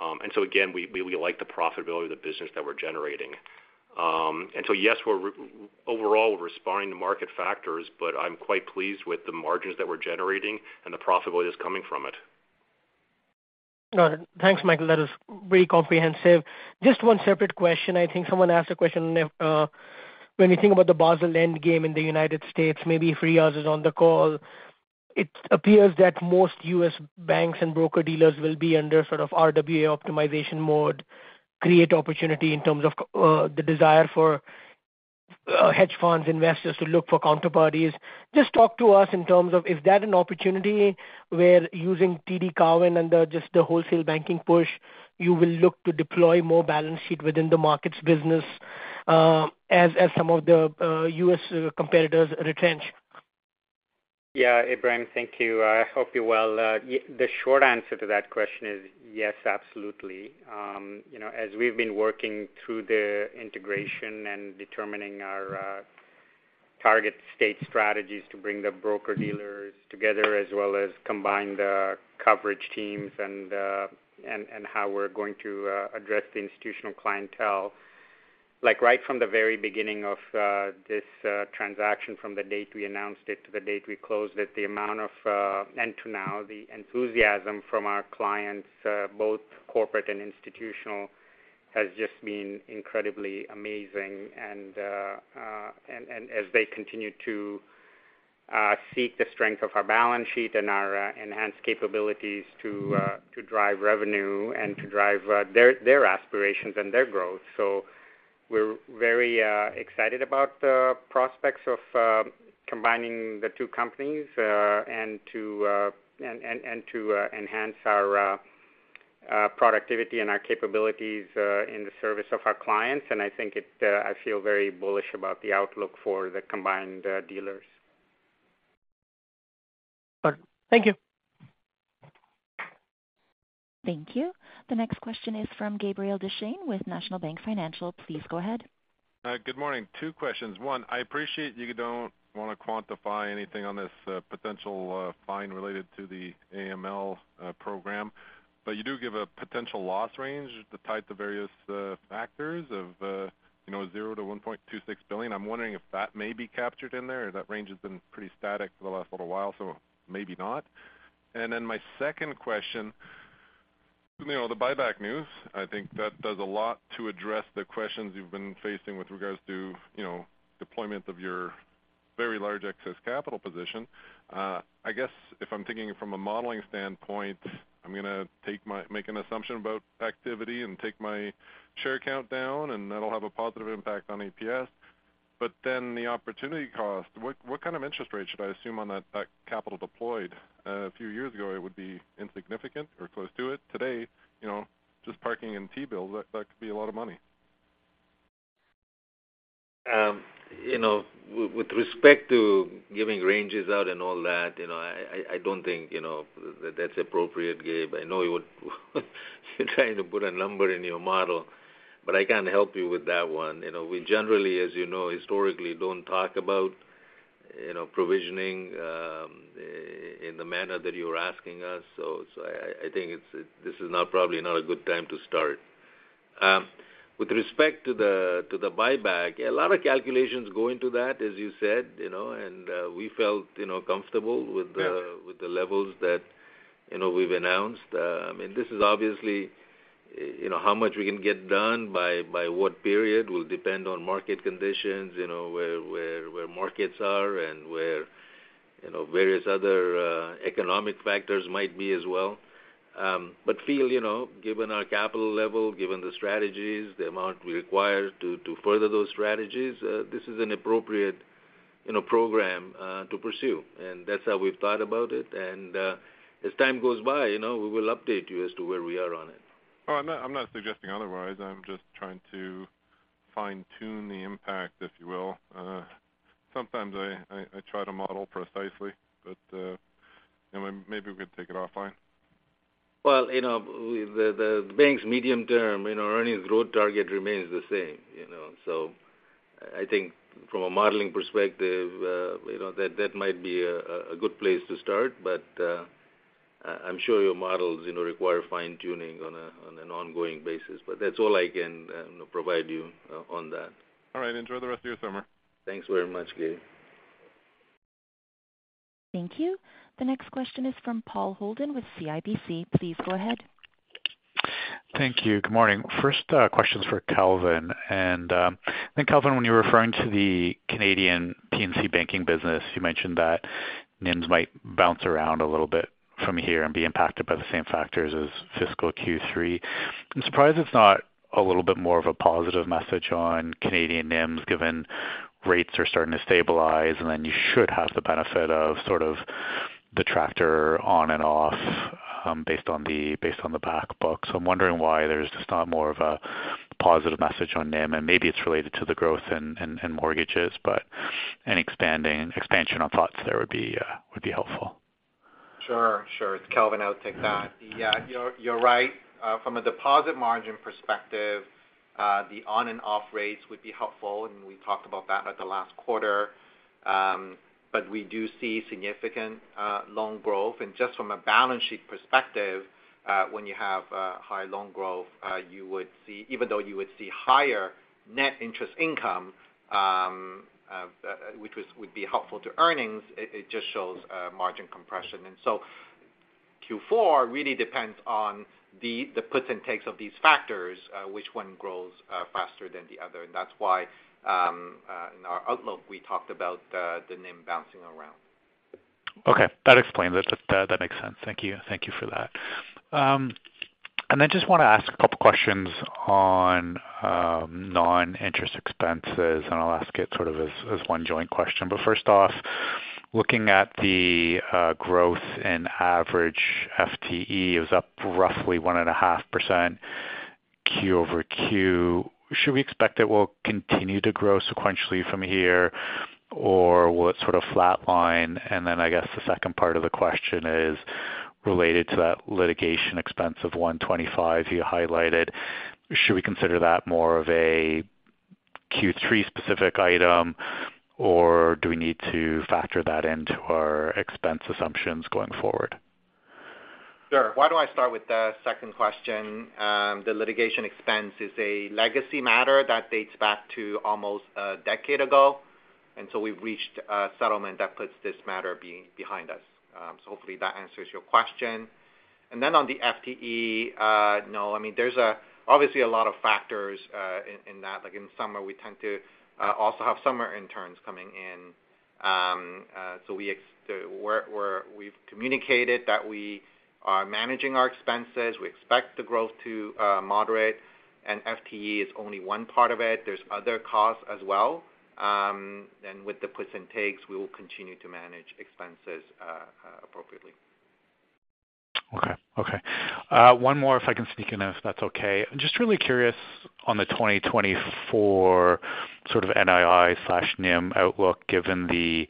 Speaker 11: And so again, we, we like the profitability of the business that we're generating. And so, yes, we're overall, we're responding to market factors, but I'm quite pleased with the margins that we're generating and the profitability that's coming from it.
Speaker 10: Got it. Thanks, Michael. That is very comprehensive. Just one separate question. I think someone asked a question. When we think about the Basel Endgame in the United States, maybe Riaz is on the call, it appears that most U.S. banks and broker-dealers will be under sort of RWA optimization mode, create opportunity in terms of the desire for hedge funds investors to look for counterparties. Just talk to us in terms of, is that an opportunity where using TD Cowen and just the wholesale banking push, you will look to deploy more balance sheet within the markets business, as some of the U.S. competitors retrench?
Speaker 12: Yeah, Ebrahim, thank you. I hope you're well. The short answer to that question is yes, absolutely. You know, as we've been working through the integration and determining our target state strategies to bring the broker-dealers together, as well as combine the coverage teams and how we're going to address the institutional clientele. Like, right from the very beginning of this transaction, from the date we announced it to the date we closed it, the amount of and to now, the enthusiasm from our clients, both corporate and institutional, has just been incredibly amazing and as they continue to seek the strength of our balance sheet and our enhanced capabilities to drive revenue and to drive their aspirations and their growth. So we're very excited about the prospects of combining the two companies and to enhance our productivity and our capabilities in the service of our clients, and I think it, I feel very bullish about the outlook for the combined dealers.
Speaker 10: Thank you.
Speaker 1: Thank you. The next question is from Gabriel Dechaine with National Bank Financial. Please go ahead.
Speaker 13: Good morning. 2 questions. One, I appreciate you don't want to quantify anything on this, potential, fine related to the AML, program, but you do give a potential loss range to tie the various, factors of, you know, $0-$1.26 billion. I'm wondering if that may be captured in there? That range has been pretty static for the last little while, so maybe not. And then my second question, you know, the buyback news, I think that does a lot to address the questions you've been facing with regards to, you know, deployment of your very large excess capital position. I guess if I'm thinking from a modeling standpoint, I'm gonna make an assumption about activity and take my share count down, and that'll have a positive impact on EPS. But then the opportunity cost, what kind of interest rate should I assume on that capital deployed? A few years ago, it would be insignificant or close to it. Today, you know, just parking in T-bills, that could be a lot of money.
Speaker 3: With respect to giving ranges out and all that, you know, I don't think, you know, that that's appropriate, Gabe. I know you would you're trying to put a number in your model, but I can't help you with that one. You know, we generally, as you know, historically, don't talk about, you know, provisioning in the manner that you're asking us. So, I think it's, this is not probably not a good time to start. With respect to the buyback, a lot of calculations go into that, as you said, you know, and we felt, you know, comfortable with the-
Speaker 13: Yeah...
Speaker 3: with the levels that, you know, we've announced. I mean, this is obviously, you know, how much we can get done by what period will depend on market conditions, you know, where markets are and where, you know, various other economic factors might be as well. But feel, you know, given our capital level, given the strategies, the amount we require to further those strategies, this is an appropriate, you know, program to pursue, and that's how we've thought about it. And as time goes by, you know, we will update you as to where we are on it.
Speaker 13: Oh, I'm not suggesting otherwise. I'm just trying to fine-tune the impact, if you will. Sometimes I try to model precisely, but you know, maybe we could take it offline.
Speaker 3: Well, you know, the bank's medium term, you know, earnings growth target remains the same, you know. So I think from a modeling perspective, you know, that might be a good place to start. But, I'm sure your models, you know, require fine-tuning on an ongoing basis, but that's all I can provide you on that.
Speaker 13: All right. Enjoy the rest of your summer.
Speaker 3: Thanks very much, Gabe.
Speaker 1: Thank you. The next question is from Paul Holden with CIBC. Please go ahead.
Speaker 14: Thank you. Good morning. First, question's for Kelvin. And, I think, Kelvin, when you were referring to the Canadian P&C banking business, you mentioned that NIMs might bounce around a little bit from here and be impacted by the same factors as fiscal Q3. I'm surprised it's not a little bit more of a positive message on Canadian NIMs, given rates are starting to stabilize, and then you should have the benefit of sort of the tractor on and off, based on the back book. So I'm wondering why there's just not more of a positive message on NIM, and maybe it's related to the growth and mortgages, but any expansion on thoughts there would be helpful.
Speaker 4: Sure, sure. It's Kelvin, I'll take that. Yeah, you're, you're right. From a deposit margin perspective, the on and off rates would be helpful, and we talked about that at the last quarter. But we do see significant loan growth. And just from a balance sheet perspective, when you have high loan growth, you would see, even though you would see higher net interest income.... which was, would be helpful to earnings, it just shows margin compression. And so Q4 really depends on the puts and takes of these factors, which one grows faster than the other. And that's why in our outlook, we talked about the NIM bouncing around.
Speaker 14: Okay, that explains it. That, that makes sense. Thank you. Thank you for that. I just want to ask a couple questions on non-interest expenses, and I'll ask it sort of as, as one joint question. But first off, looking at the growth in average FTE, it was up roughly 1.5% Q over Q. Should we expect it will continue to grow sequentially from here, or will it sort of flatline? And then I guess the second part of the question is related to that litigation expense of 125 million you highlighted. Should we consider that more of a Q3 specific item, or do we need to factor that into our expense assumptions going forward?
Speaker 4: Sure. Why don't I start with the second question? The litigation expense is a legacy matter that dates back to almost a decade ago, and so we've reached a settlement that puts this matter behind us. So hopefully that answers your question. And then on the FTE, no, I mean, there's obviously a lot of factors in that. Like, in summer, we tend to also have summer interns coming in. So we're—we've communicated that we are managing our expenses. We expect the growth to moderate, and FTE is only one part of it. There's other costs as well. And with the puts and takes, we will continue to manage expenses appropriately.
Speaker 14: Okay. Okay. One more, if I can sneak in, if that's okay. I'm just really curious on the 2024 sort of NII/NIM outlook, given the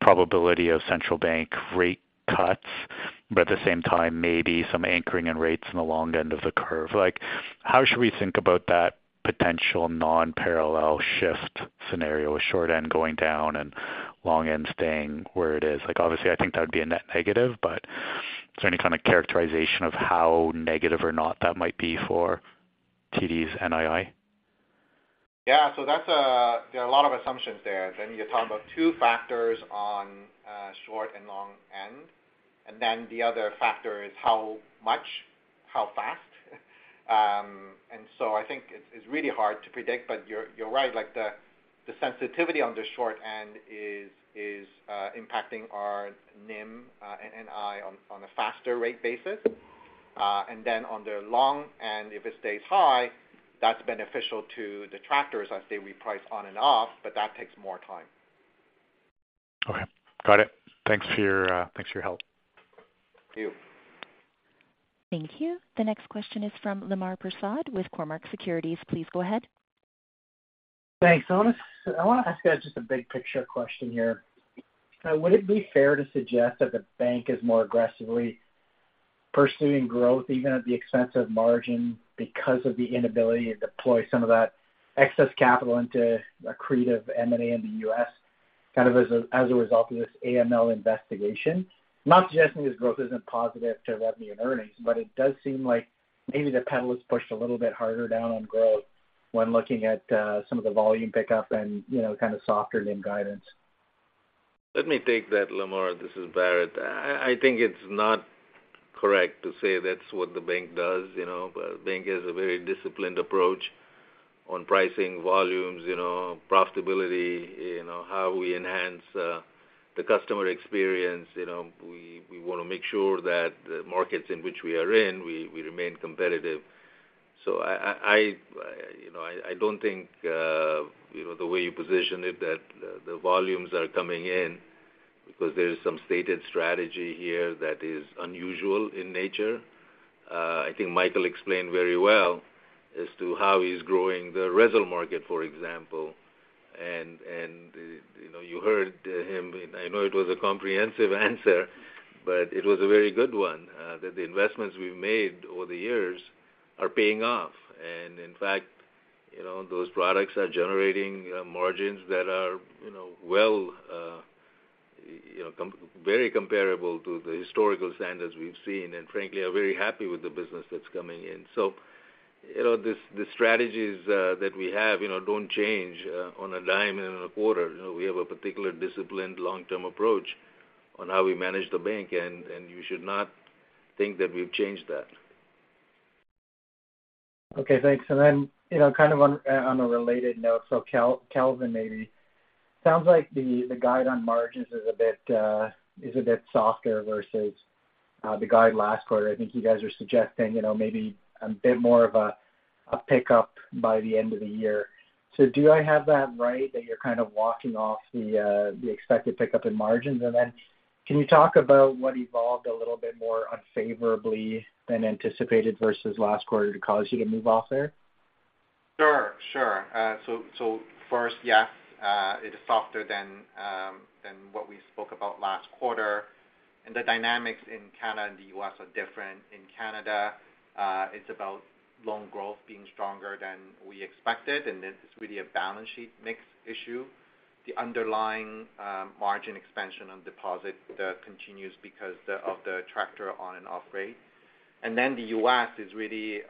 Speaker 14: probability of central bank rate cuts, but at the same time, maybe some anchoring in rates in the long end of the curve. Like, how should we think about that potential non-parallel shift scenario, with short end going down and long end staying where it is? Like, obviously, I think that would be a net negative, but is there any kind of characterization of how negative or not that might be for TD's NII?
Speaker 4: Yeah, so there are a lot of assumptions there. Then you're talking about two factors on short and long end, and then the other factor is how much, how fast? And so I think it's really hard to predict, but you're right. Like, the sensitivity on the short end is impacting our NIM, NII on a faster rate basis. And then on the long end, if it stays high, that's beneficial to the tractors as they reprice on and off, but that takes more time.
Speaker 14: Okay, got it. Thanks for your help.
Speaker 4: Thank you.
Speaker 1: Thank you. The next question is from Lemar Persaud with Cormark Securities. Please go ahead.
Speaker 15: Thanks. I want to ask you guys just a big picture question here. Would it be fair to suggest that the bank is more aggressively pursuing growth, even at the expense of margin, because of the inability to deploy some of that excess capital into accretive M&A in the U.S., kind of as a result of this AML investigation? I'm not suggesting this growth isn't positive to revenue and earnings, but it does seem like maybe the pedal is pushed a little bit harder down on growth when looking at some of the volume pickup and, you know, kind of softer NIM guidance.
Speaker 3: Let me take that, Lemar. This is Bharat. I think it's not correct to say that's what the bank does, you know. The bank has a very disciplined approach on pricing volumes, you know, profitability, you know, how we enhance the customer experience. You know, we want to make sure that the markets in which we are in, we remain competitive. So I, you know, I don't think, you know, the way you position it, that the volumes are coming in because there is some stated strategy here that is unusual in nature. I think Michael explained very well as to how he's growing the RESL market, for example. You know, you heard him, and I know it was a comprehensive answer, but it was a very good one that the investments we've made over the years are paying off. In fact, you know, those products are generating margins that are, you know, well, very comparable to the historical standards we've seen, and frankly, are very happy with the business that's coming in. So, you know, the strategies that we have, you know, don't change on a dime and on a quarter. You know, we have a particular disciplined long-term approach on how we manage the bank, and you should not think that we've changed that.
Speaker 15: Okay, thanks. And then, you know, kind of on a related note, so Kelvin, maybe. Sounds like the guide on margins is a bit softer versus the guide last quarter. I think you guys are suggesting, you know, maybe a bit more of a pickup by the end of the year. So do I have that right, that you're kind of walking off the expected pickup in margins? And then can you talk about what evolved a little bit more unfavorably than anticipated versus last quarter to cause you to move off there?
Speaker 5: Sure, sure. So, first, yes, it is softer than what we spoke about last quarter, and the dynamics in Canada and the U.S. are different. In Canada, it's about loan growth being stronger than we expected, and it's really a balance sheet mix issue. The underlying margin expansion on deposit continues because of the traction on and off rate.... and then the U.S. is really,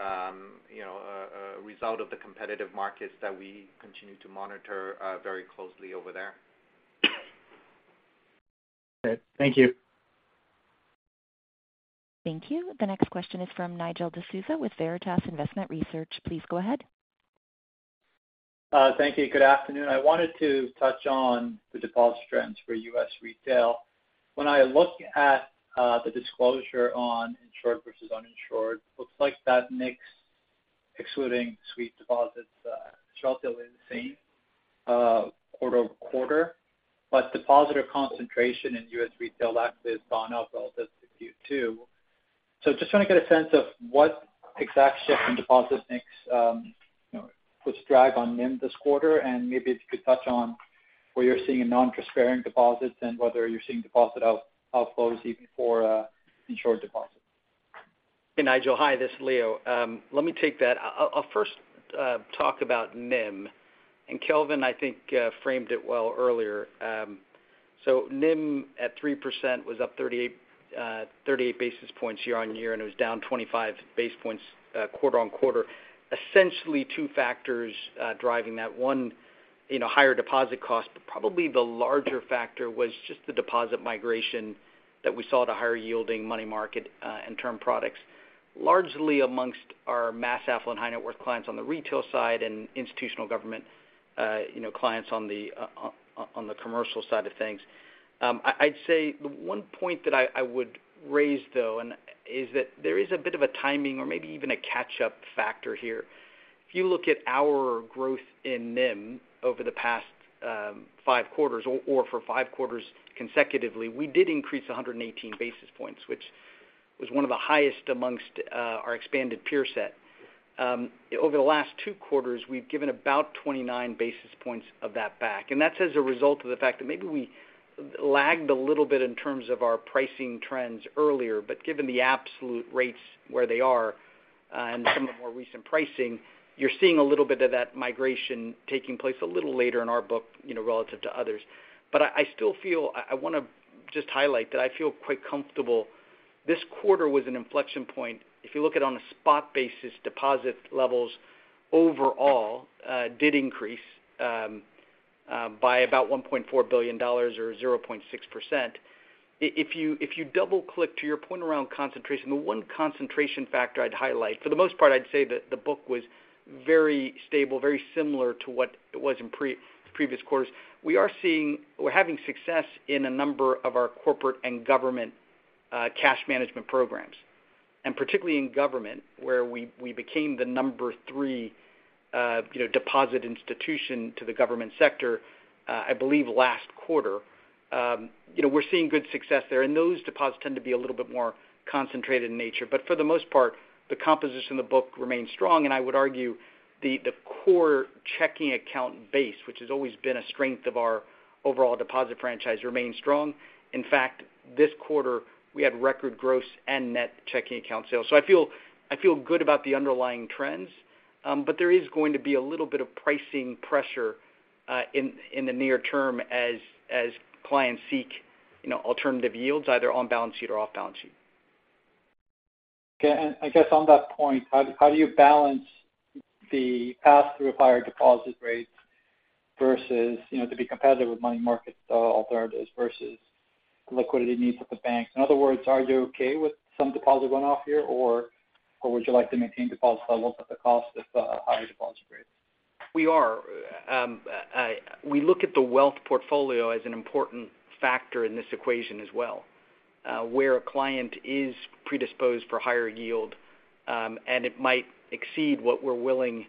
Speaker 5: you know, a result of the competitive markets that we continue to monitor very closely over there.
Speaker 15: Okay. Thank you.
Speaker 1: Thank you. The next question is from Nigel D'Souza with Veritas Investment Research. Please go ahead.
Speaker 16: Thank you. Good afternoon. I wanted to touch on the deposit trends for U.S. retail. When I look at the disclosure on insured versus uninsured, looks like that mix, excluding sweep deposits, is relatively the same quarter over quarter. But depositor concentration in U.S. retail assets gone up relative to Q2. So just want to get a sense of what exact shift in deposit mix, you know, puts drag on NIM this quarter, and maybe if you could touch on where you're seeing non-transparent deposits and whether you're seeing deposit outflows even for insured deposits.
Speaker 8: Hey, Nigel. Hi, this is Leo. Let me take that. I'll first talk about NIM, and Kelvin, I think, framed it well earlier. So NIM, at 3%, was up 38 basis points year-on-year, and it was down 25 basis points quarter-on-quarter. Essentially two factors driving that. One, you know, higher deposit costs, but probably the larger factor was just the deposit migration that we saw at a higher yielding money market and term products. Largely amongst our mass affluent high net worth clients on the retail side and institutional government, you know, clients on the commercial side of things. I'd say the one point that I would raise, though, and is that there is a bit of a timing or maybe even a catch-up factor here. If you look at our growth in NIM over the past five quarters or for five quarters consecutively, we did increase 118 basis points, which was one of the highest amongst our expanded peer set. Over the last two quarters, we've given about 29 basis points of that back, and that's as a result of the fact that maybe we lagged a little bit in terms of our pricing trends earlier. But given the absolute rates where they are, and some of the more recent pricing, you're seeing a little bit of that migration taking place a little later in our book, you know, relative to others. But I still feel. I want to just highlight that I feel quite comfortable. This quarter was an inflection point. If you look at on a spot basis, deposit levels overall did increase by about 1.4 billion dollars or 0.6%. If you double-click to your point around concentration, the one concentration factor I'd highlight, for the most part, I'd say that the book was very stable, very similar to what it was in previous quarters. We're having success in a number of our corporate and government cash management programs, and particularly in government, where we became the number three, you know, deposit institution to the government sector, I believe last quarter. You know, we're seeing good success there, and those deposits tend to be a little bit more concentrated in nature. For the most part, the composition of the book remains strong, and I would argue the core checking account base, which has always been a strength of our overall deposit franchise, remains strong. In fact, this quarter, we had record gross and net checking account sales. I feel good about the underlying trends, but there is going to be a little bit of pricing pressure in the near term as clients seek, you know, alternative yields, either on balance sheet or off balance sheet.
Speaker 16: Okay. And I guess on that point, how do you balance the pass-through higher deposit rates versus, you know, to be competitive with money market alternatives versus liquidity needs of the bank? In other words, are you okay with some deposit going off here, or would you like to maintain deposit levels at the cost of higher deposit rates?
Speaker 8: We are. We look at the wealth portfolio as an important factor in this equation as well, where a client is predisposed for higher yield, and it might exceed what we're willing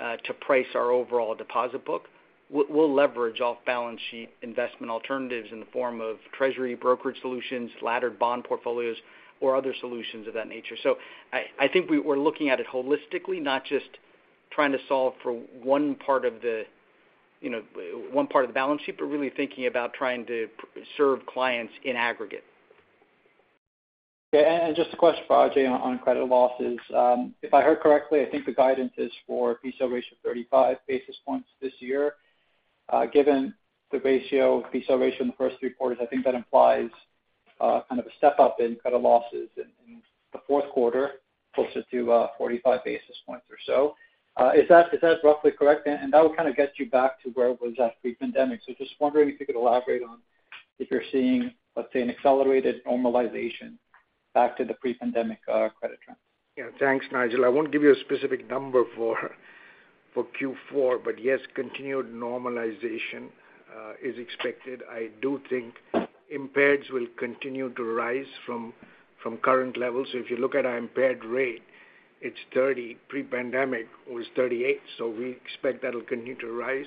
Speaker 8: to price our overall deposit book. We'll leverage off-balance sheet investment alternatives in the form of treasury brokerage solutions, laddered bond portfolios, or other solutions of that nature. So I think we're looking at it holistically, not just trying to solve for one part of the, you know, one part of the balance sheet, but really thinking about trying to serve clients in aggregate.
Speaker 16: Okay, and just a question for Ajai on credit losses. If I heard correctly, I think the guidance is for PCL ratio of 35 basis points this year. Given the ratio, PCL ratio in the first three quarters, I think that implies kind of a step up in credit losses in the Q4, closer to 45 basis points or so. Is that roughly correct? And that would kind of get you back to where it was at pre-pandemic. So just wondering if you could elaborate on if you're seeing, let's say, an accelerated normalization back to the pre-pandemic credit trend.
Speaker 5: Yeah. Thanks, Nigel. I won't give you a specific number for, for Q4, but yes, continued normalization is expected. I do think impairments will continue to rise from, from current levels. So if you look at our impaired rate, it's 30, pre-pandemic was 38, so we expect that'll continue to rise.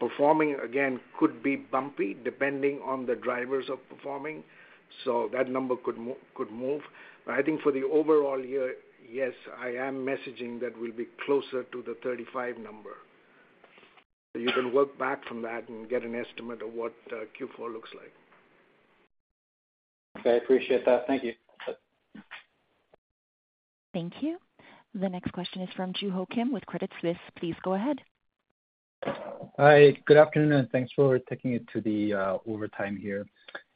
Speaker 5: Performing, again, could be bumpy, depending on the drivers of performing, so that number could move. But I think for the overall year, yes, I am messaging that we'll be closer to the 35 number. So you can work back from that and get an estimate of what Q4 looks like.
Speaker 16: Okay, I appreciate that. Thank you.
Speaker 1: Thank you. The next question is from Joo Ho Kim with Credit Suisse. Please go ahead.
Speaker 17: Hi, good afternoon, and thanks for taking it to the overtime here.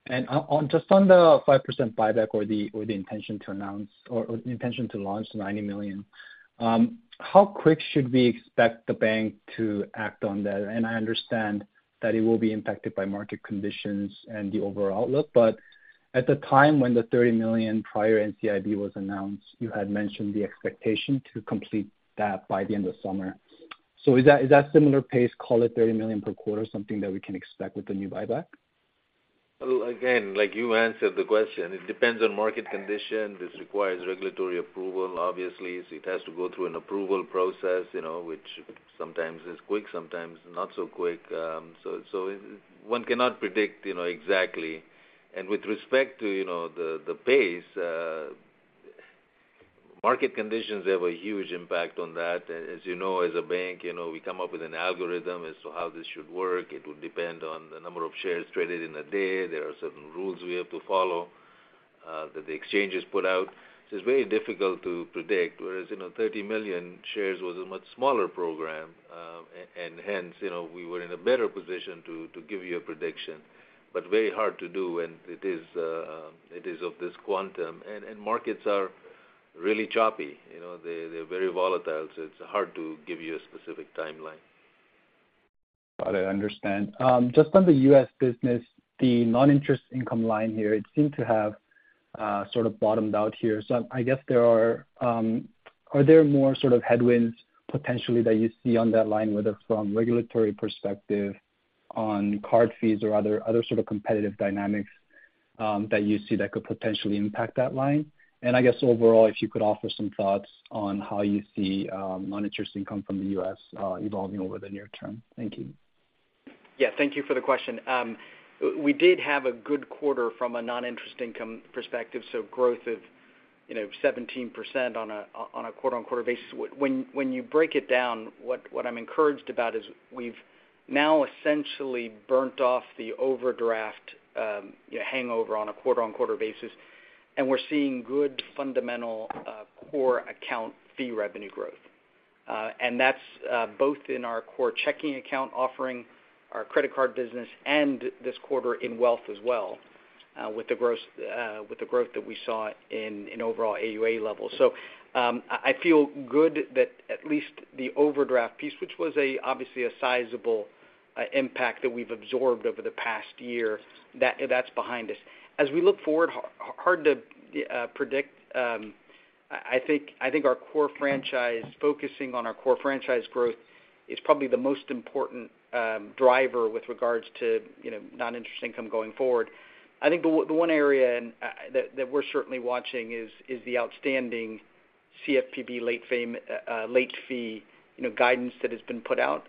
Speaker 17: And on, on just on the 5% buyback or the, or the intention to announce... or, or the intention to launch 90 million, how quick should we expect the bank to act on that? And I understand that it will be impacted by market conditions and the overall outlook, but at the time when the 30 million prior NCIB was announced, you had mentioned the expectation to complete that by the end of summer. So is that, is that similar pace, call it 30 million per quarter, something that we can expect with the new buyback?
Speaker 3: Well, again, like you answered the question, it depends on market condition. This requires regulatory approval. Obviously, it has to go through an approval process, you know, which sometimes is quick, sometimes not so quick. So, so one cannot predict, you know, exactly. And with respect to, you know, the, the pace, market conditions have a huge impact on that. As you know, as a bank, you know, we come up with an algorithm as to how this should work. It will depend on the number of shares traded in a day. There are certain rules we have to follow, that the exchanges put out. So it's very difficult to predict. Whereas, you know, 30 million shares was a much smaller program, and hence, you know, we were in a better position to give you a prediction, but very hard to do when it is of this quantum. And markets are really choppy. You know, they, they're very volatile, so it's hard to give you a specific timeline.
Speaker 17: Got it. I understand. Just on the U.S. business, the non-interest income line here, it seemed to have, sort of bottomed out here. So I guess there are. Are there more sort of headwinds potentially that you see on that line, whether from regulatory perspective on card fees or other, other sort of competitive dynamics, that you see that could potentially impact that line? And I guess overall, if you could offer some thoughts on how you see, non-interest income from the U.S., evolving over the near term. Thank you.
Speaker 8: Yeah. Thank you for the question. We did have a good quarter from a non-interest income perspective, so growth of, you know, 17% on a quarter-over-quarter basis. When you break it down, what I'm encouraged about is we've now essentially burnt off the overdraft hangover on a quarter-over-quarter basis, and we're seeing good fundamental core account fee revenue growth. And that's both in our core checking account offering, our credit card business, and this quarter in wealth as well, with the growth that we saw in overall AUA levels. So, I feel good that at least the overdraft piece, which was obviously a sizable impact that we've absorbed over the past year, that's behind us. As we look forward, hard to predict. I think, I think our core franchise, focusing on our core franchise growth is probably the most important driver with regards to, you know, non-interest income going forward. I think the one area that we're certainly watching is the outstanding CFPB late fee, you know, guidance that has been put out.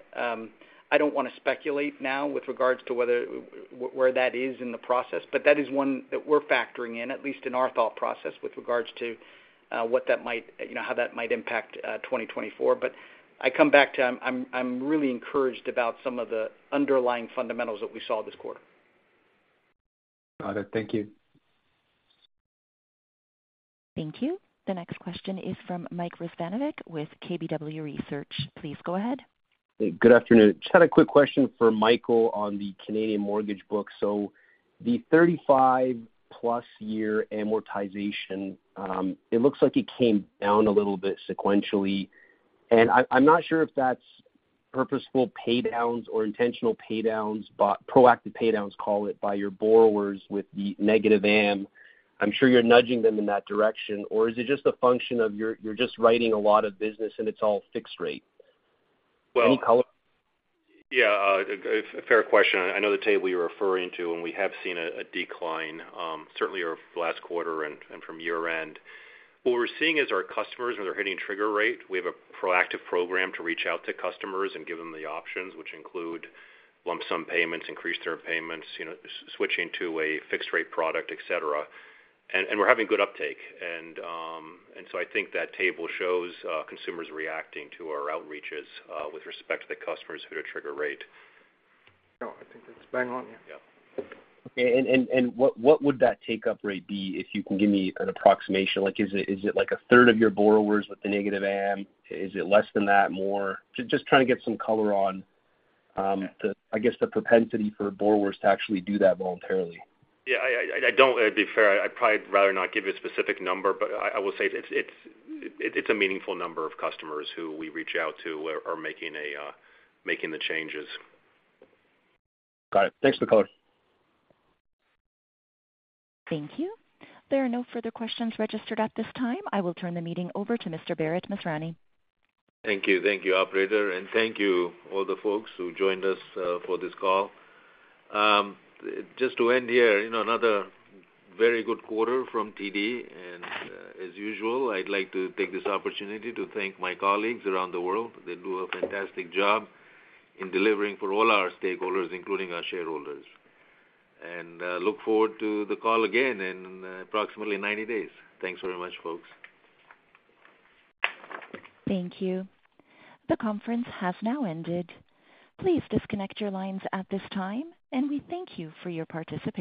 Speaker 8: I don't want to speculate now with regards to whether where that is in the process, but that is one that we're factoring in, at least in our thought process, with regards to what that might, you know, how that might impact 2024. But I come back to. I'm really encouraged about some of the underlying fundamentals that we saw this quarter.
Speaker 17: Got it. Thank you.
Speaker 1: Thank you. The next question is from Mike Rizvanovic with KBW Research. Please go ahead.
Speaker 18: Hey, good afternoon. Just had a quick question for Michael on the Canadian mortgage book. So the 35+ year amortization, it looks like it came down a little bit sequentially, and I'm not sure if that's purposeful paydowns or intentional paydowns, but proactive paydowns, call it, by your borrowers with the negative am. I'm sure you're nudging them in that direction. Or is it just a function of you're just writing a lot of business and it's all fixed rate?
Speaker 3: Well-
Speaker 18: Any color?
Speaker 3: Yeah, a fair question. I know the table you're referring to, and we have seen a decline, certainly over last quarter and from year-end. What we're seeing is our customers, when they're hitting trigger rate, we have a proactive program to reach out to customers and give them the options, which include lump sum payments, increased term payments, you know, switching to a fixed rate product, et cetera. And we're having good uptake. And so I think that table shows, consumers reacting to our outreaches, with respect to the customers who hit a trigger rate.
Speaker 18: No, I think that's bang on, yeah.
Speaker 3: Yeah.
Speaker 18: Okay, and what would that take-up rate be, if you can give me an approximation? Like, is it like a third of your borrowers with the negative am? Is it less than that, more? Just trying to get some color on, the, I guess, the propensity for borrowers to actually do that voluntarily.
Speaker 3: Yeah, I don't—To be fair, I'd probably rather not give you a specific number, but I will say it's a meaningful number of customers who we reach out to are making the changes.
Speaker 18: Got it. Thanks for calling.
Speaker 1: Thank you. There are no further questions registered at this time. I will turn the meeting over to Mr. Bharat Masrani.
Speaker 3: Thank you. Thank you, operator, and thank you all the folks who joined us for this call. Just to end here, you know, another very good quarter from TD, and as usual, I'd like to take this opportunity to thank my colleagues around the world. They do a fantastic job in delivering for all our stakeholders, including our shareholders. And look forward to the call again in approximately 90 days. Thanks very much, folks.
Speaker 1: Thank you. The conference has now ended. Please disconnect your lines at this time, and we thank you for your participation.